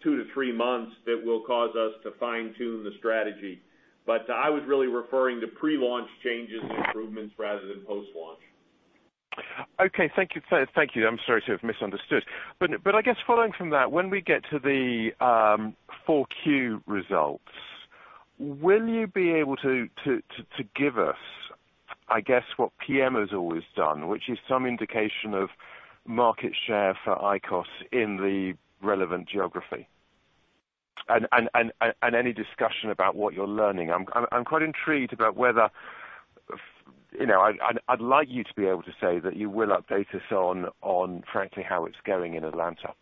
two to three months that will cause us to fine-tune the strategy. I was really referring to pre-launch changes and improvements rather than post-launch.
Okay. Thank you. I'm sorry to have misunderstood. I guess following from that, when we get to the 4Q results, will you be able to give us, I guess, what PM has always done, which is some indication of market share for IQOS in the relevant geography? Any discussion about what you're learning. I'm quite intrigued about whether I'd like you to be able to say that you will update us on frankly how it's going in Atlanta.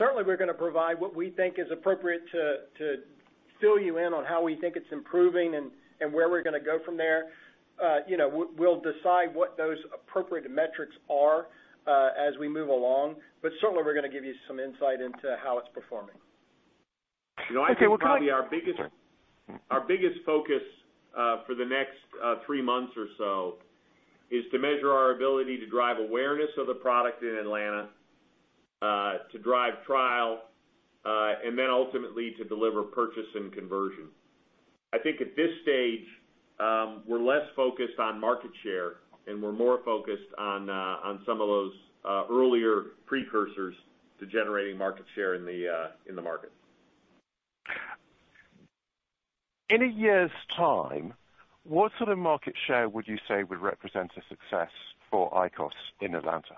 Certainly, we're going to provide what we think is appropriate to fill you in on how we think it's improving and where we're going to go from there. We'll decide what those appropriate metrics are as we move along, but certainly, we're going to give you some insight into how it's performing.
Okay. Well.
Our biggest focus for the next three months or so is to measure our ability to drive awareness of the product in Atlanta, to drive trial, and then ultimately to deliver purchase and conversion. I think at this stage, we're less focused on market share, and we're more focused on some of those earlier precursors to generating market share in the market.
In a year's time, what sort of market share would you say would represent a success for IQOS in Atlanta?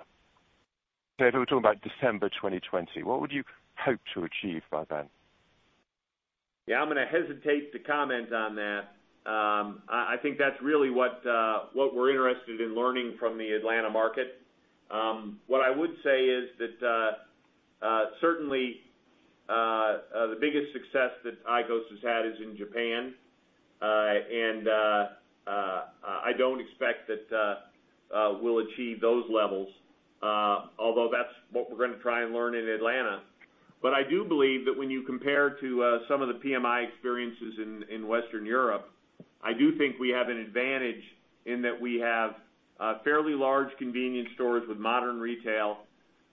If we're talking about December 2020, what would you hope to achieve by then?
Yeah, I'm going to hesitate to comment on that. I think that's really what we're interested in learning from the Atlanta market. What I would say is that certainly, the biggest success that IQOS has had is in Japan. I don't expect that we'll achieve those levels, although that's what we're going to try and learn in Atlanta. I do believe that when you compare to some of the PMI experiences in Western Europe, I do think we have an advantage in that we have fairly large convenience stores with modern retail.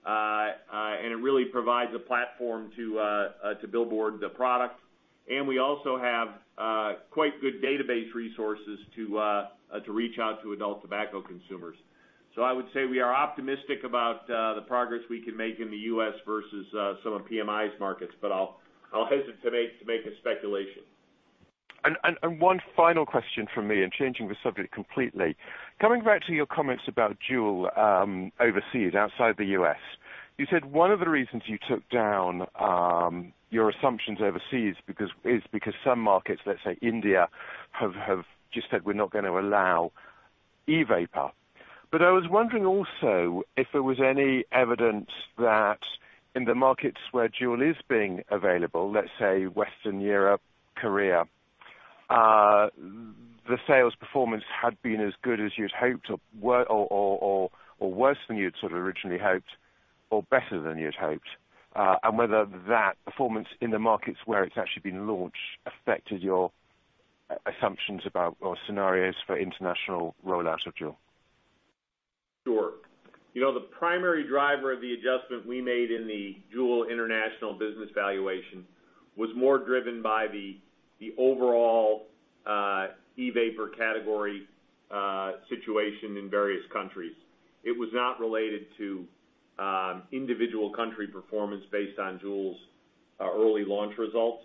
It really provides a platform to billboard the product. We also have quite good database resources to reach out to adult tobacco consumers. I would say we are optimistic about the progress we can make in the U.S. versus some of PMI's markets, but I'll hesitate to make a speculation.
One final question from me, changing the subject completely. Coming back to your comments about Juul overseas, outside the U.S., you said one of the reasons you took down your assumptions overseas is because some markets, let's say India, have just said we're not going to allow e-vapor. I was wondering also if there was any evidence that in the markets where Juul is being available, let's say Western Europe, Korea, the sales performance had been as good as you'd hoped, or worse than you'd sort of originally hoped, or better than you'd hoped. Whether that performance in the markets where it's actually been launched affected your assumptions about or scenarios for international rollout of Juul
Sure. The primary driver of the adjustment we made in the Juul international business valuation was more driven by the overall e-vapor category situation in various countries. It was not related to individual country performance based on Juul's early launch results.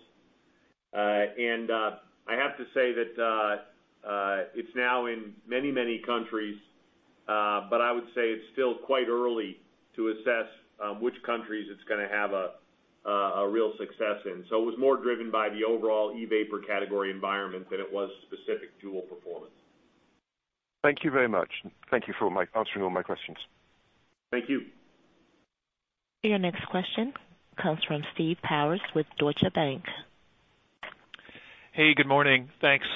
I have to say that it's now in many, many countries, but I would say it's still quite early to assess which countries it's going to have a real success in. It was more driven by the overall e-vapor category environment than it was specific Juul performance.
Thank you very much. Thank you for answering all my questions.
Thank you.
Your next question comes from Steve Powers with Deutsche Bank.
Hey, good morning. Thanks.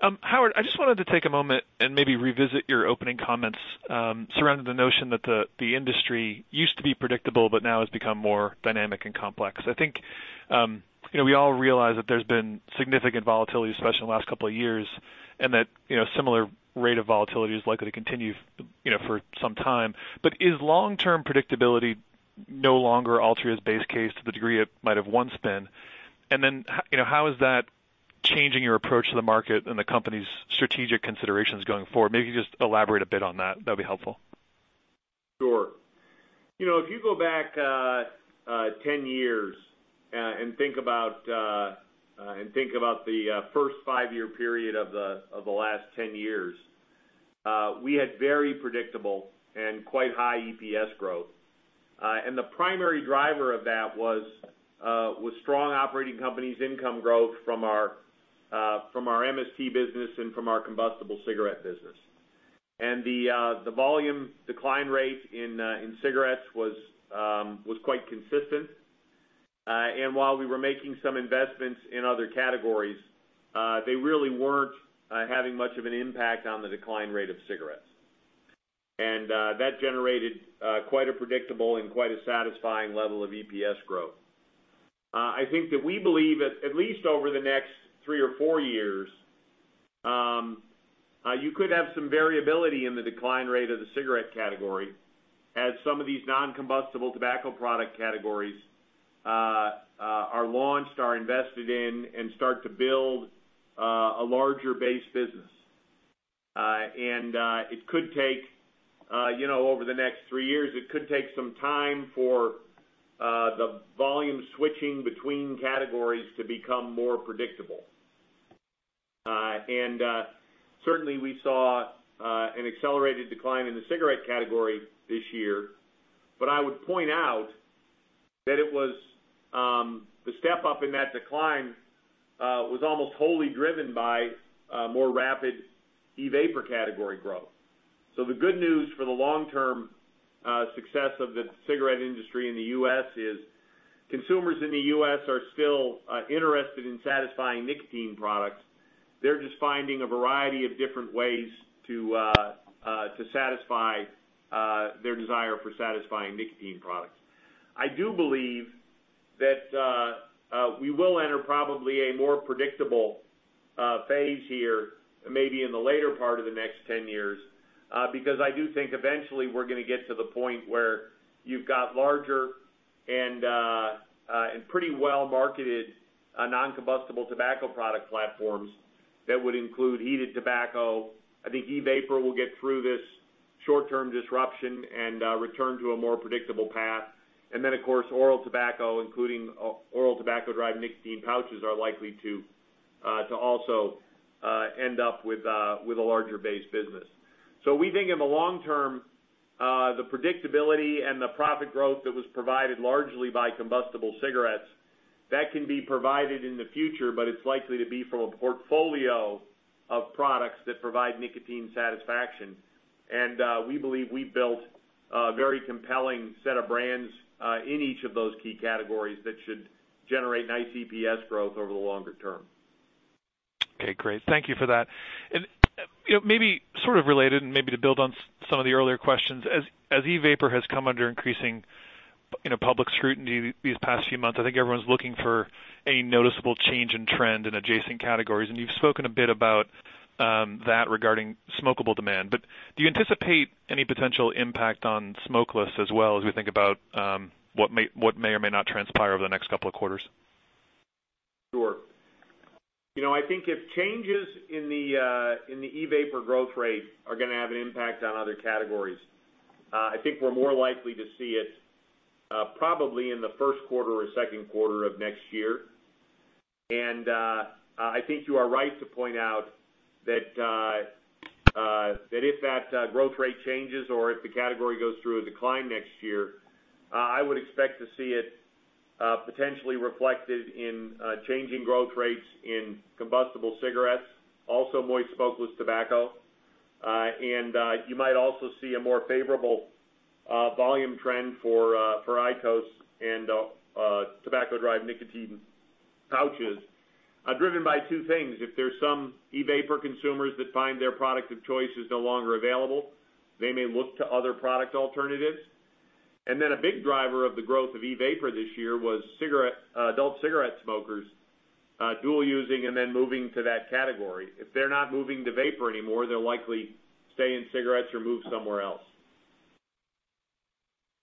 Howard, I just wanted to take a moment and maybe revisit your opening comments surrounding the notion that the industry used to be predictable, now has become more dynamic and complex. I think we all realize that there's been significant volatility, especially in the last couple of years, and that similar rate of volatility is likely to continue for some time. Is long-term predictability no longer Altria's base case to the degree it might have once been? How is that changing your approach to the market and the company's strategic considerations going forward? Maybe just elaborate a bit on that. That'd be helpful.
Sure. If you go back 10 years and think about the first five-year period of the last 10 years, we had very predictable and quite high EPS growth. The primary driver of that was strong operating companies' income growth from our MST business and from our combustible cigarette business. The volume decline rate in cigarettes was quite consistent. While we were making some investments in other categories, they really weren't having much of an impact on the decline rate of cigarettes. That generated quite a predictable and quite a satisfying level of EPS growth. I think that we believe, at least over the next three or four years, you could have some variability in the decline rate of the cigarette category as some of these non-combustible tobacco product categories are launched, are invested in, and start to build a larger base business. Over the next three years, it could take some time for the volume switching between categories to become more predictable. Certainly, we saw an accelerated decline in the cigarette category this year. I would point out that the step-up in that decline was almost wholly driven by more rapid e-vapor category growth. The good news for the long-term success of the cigarette industry in the U.S. is consumers in the U.S. are still interested in satisfying nicotine products. They're just finding a variety of different ways to satisfy their desire for satisfying nicotine products. I do believe that we will enter probably a more predictable phase here, maybe in the later part of the next 10 years, because I do think eventually we're going to get to the point where you've got larger and pretty well-marketed non-combustible tobacco product platforms that would include heated tobacco. I think e-vapor will get through this short-term disruption and return to a more predictable path. Of course, oral tobacco, including oral tobacco derived nicotine pouches, are likely to also end up with a larger base business. We think in the long term, the predictability and the profit growth that was provided largely by combustible cigarettes, that can be provided in the future, but it's likely to be from a portfolio of products that provide nicotine satisfaction. We believe we've built a very compelling set of brands in each of those key categories that should generate nice EPS growth over the longer term.
Okay, great. Thank you for that. Maybe sort of related and maybe to build on some of the earlier questions, as e-vapor has come under increasing public scrutiny these past few months, I think everyone's looking for a noticeable change in trend in adjacent categories, and you've spoken a bit about that regarding smokable demand. Do you anticipate any potential impact on smokeless as well as we think about what may or may not transpire over the next couple of quarters?
Sure. I think if changes in the e-vapor growth rate are going to have an impact on other categories, I think we're more likely to see it probably in the first quarter or second quarter of next year. I think you are right to point out that if that growth rate changes or if the category goes through a decline next year, I would expect to see it potentially reflected in changing growth rates in combustible cigarettes, also moist smokeless tobacco. You might also see a more favorable volume trend for IQOS and tobacco derived nicotine pouches, driven by two things. If there's some e-vapor consumers that find their product of choice is no longer available, they may look to other product alternatives. A big driver of the growth of e-vapor this year was adult cigarette smokers dual using and then moving to that category. If they're not moving to vapor anymore, they'll likely stay in cigarettes or move somewhere else.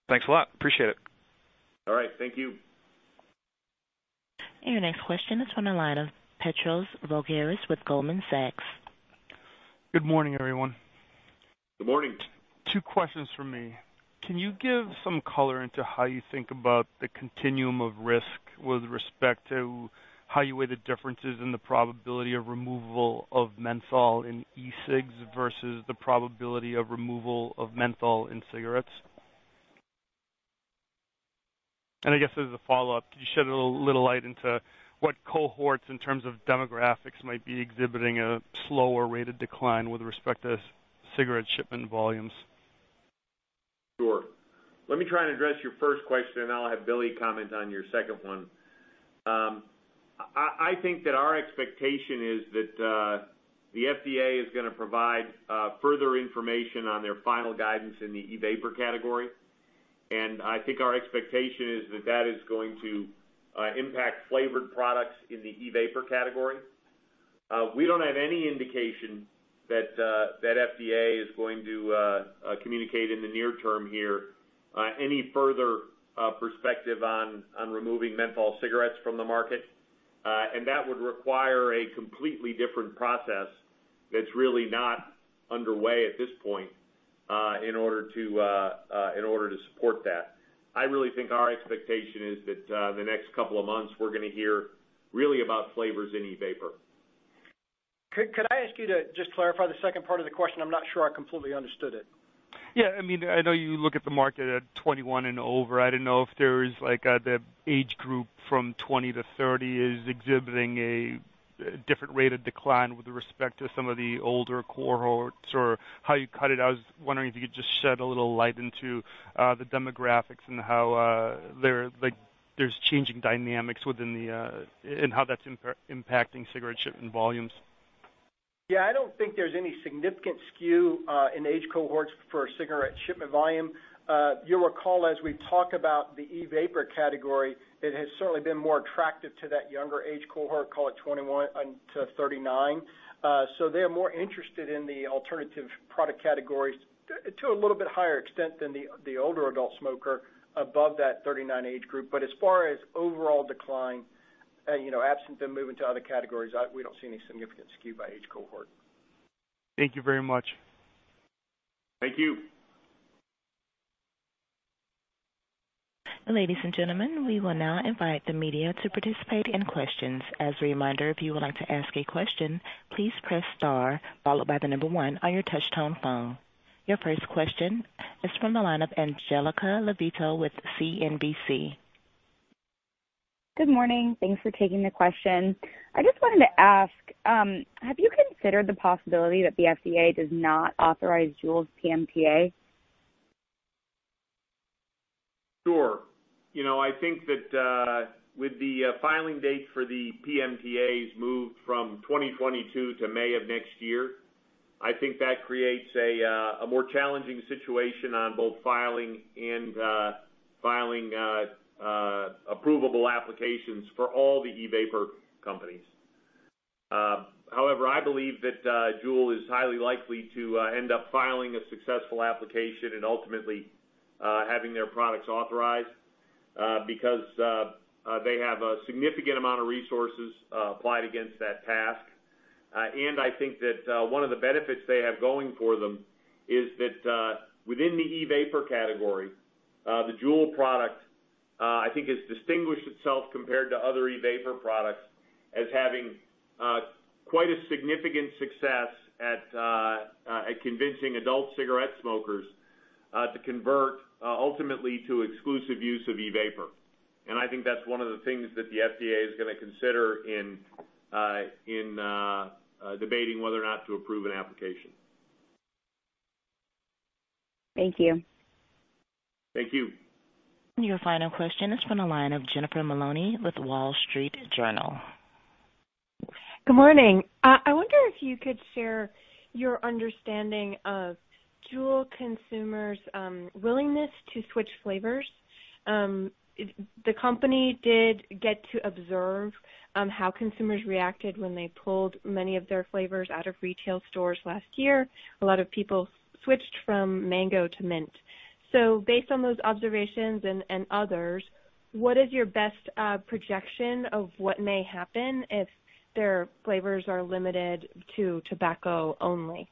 Thanks a lot. Appreciate it.
All right. Thank you.
Your next question is on the line of Bonnie Herzog with Goldman Sachs.
Good morning, everyone.
Good morning.
Two questions from me. Can you give some color into how you think about the continuum of risk with respect to how you weigh the differences in the probability of removal of menthol in e-cigs versus the probability of removal of menthol in cigarettes? I guess as a follow-up, could you shed a little light into what cohorts in terms of demographics might be exhibiting a slower rate of decline with respect to cigarette shipment volumes?
Sure. Let me try and address your first question, and I'll have Billy comment on your second one. I think that our expectation is that the FDA is going to provide further information on their final guidance in the e-vapor category. I think our expectation is that that is going to impact flavored products in the e-vapor category. We don't have any indication that FDA is going to communicate in the near term here any further perspective on removing menthol cigarettes from the market. That would require a completely different process that's really not underway at this point in order to support that. I really think our expectation is that the next couple of months, we're going to hear really about flavors in e-vapor.
Could I ask you to just clarify the second part of the question? I'm not sure I completely understood it.
Yeah. I know you look at the market at 21 and over. I didn't know if there is the age group from 20 to 30 is exhibiting a different rate of decline with respect to some of the older cohorts or how you cut it. I was wondering if you could just shed a little light into the demographics and how there's changing dynamics and how that's impacting cigarette shipment volumes.
Yeah, I don't think there's any significant skew in age cohorts for cigarette shipment volume. You'll recall, as we talk about the e-vapor category, it has certainly been more attractive to that younger age cohort, call it 21-39. They're more interested in the alternative product categories to a little bit higher extent than the older adult smoker above that 39 age group. As far as overall decline, absent them moving to other categories, we don't see any significant skew by age cohort.
Thank you very much.
Thank you.
Ladies and gentlemen, we will now invite the media to participate in questions. As a reminder, if you would like to ask a question, please press star followed by the number one on your touch-tone phone. Your first question is from the line of Angelica LaVito with CNBC.
Good morning. Thanks for taking the question. I just wanted to ask, have you considered the possibility that the FDA does not authorize Juul's PMTA?
Sure. I think that with the filing date for the PMTAs moved from 2022 to May of next year, I think that creates a more challenging situation on both filing and filing approvable applications for all the e-vapor companies. However, I believe that Juul is highly likely to end up filing a successful application and ultimately having their products authorized because they have a significant amount of resources applied against that task. I think that one of the benefits they have going for them is that within the e-vapor category, the Juul product, I think has distinguished itself compared to other e-vapor products as having quite a significant success at convincing adult cigarette smokers to convert ultimately to exclusive use of e-vapor. I think that's one of the things that the FDA is going to consider in debating whether or not to approve an application.
Thank you.
Thank you.
Your final question is from the line of Jennifer Maloney with Wall Street Journal.
Good morning. I wonder if you could share your understanding of Juul consumers' willingness to switch flavors. The company did get to observe how consumers reacted when they pulled many of their flavors out of retail stores last year. A lot of people switched from mango to mint. Based on those observations and others, what is your best projection of what may happen if their flavors are limited to tobacco only?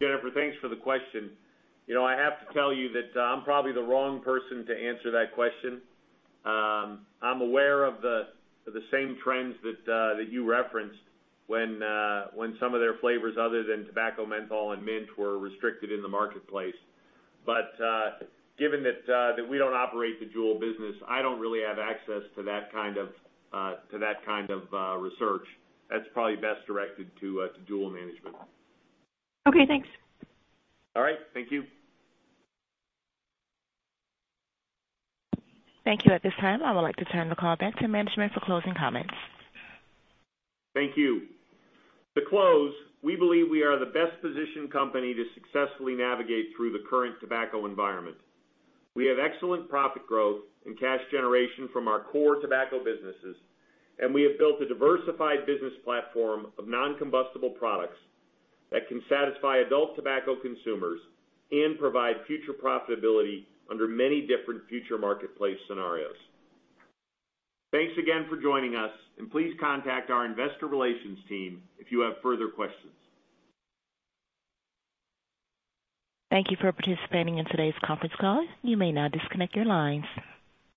Jennifer, thanks for the question. I have to tell you that I'm probably the wrong person to answer that question. I'm aware of the same trends that you referenced when some of their flavors other than tobacco, menthol, and mint were restricted in the marketplace. Given that we don't operate the Juul business, I don't really have access to that kind of research. That's probably best directed to Juul management.
Okay, thanks.
All right. Thank you.
Thank you. At this time, I would like to turn the call back to management for closing comments.
Thank you. To close, we believe we are the best positioned company to successfully navigate through the current tobacco environment. We have excellent profit growth and cash generation from our core tobacco businesses, and we have built a diversified business platform of non-combustible products that can satisfy adult tobacco consumers and provide future profitability under many different future marketplace scenarios. Thanks again for joining us, and please contact our investor relations team if you have further questions.
Thank you for participating in today's conference call. You may now disconnect your lines.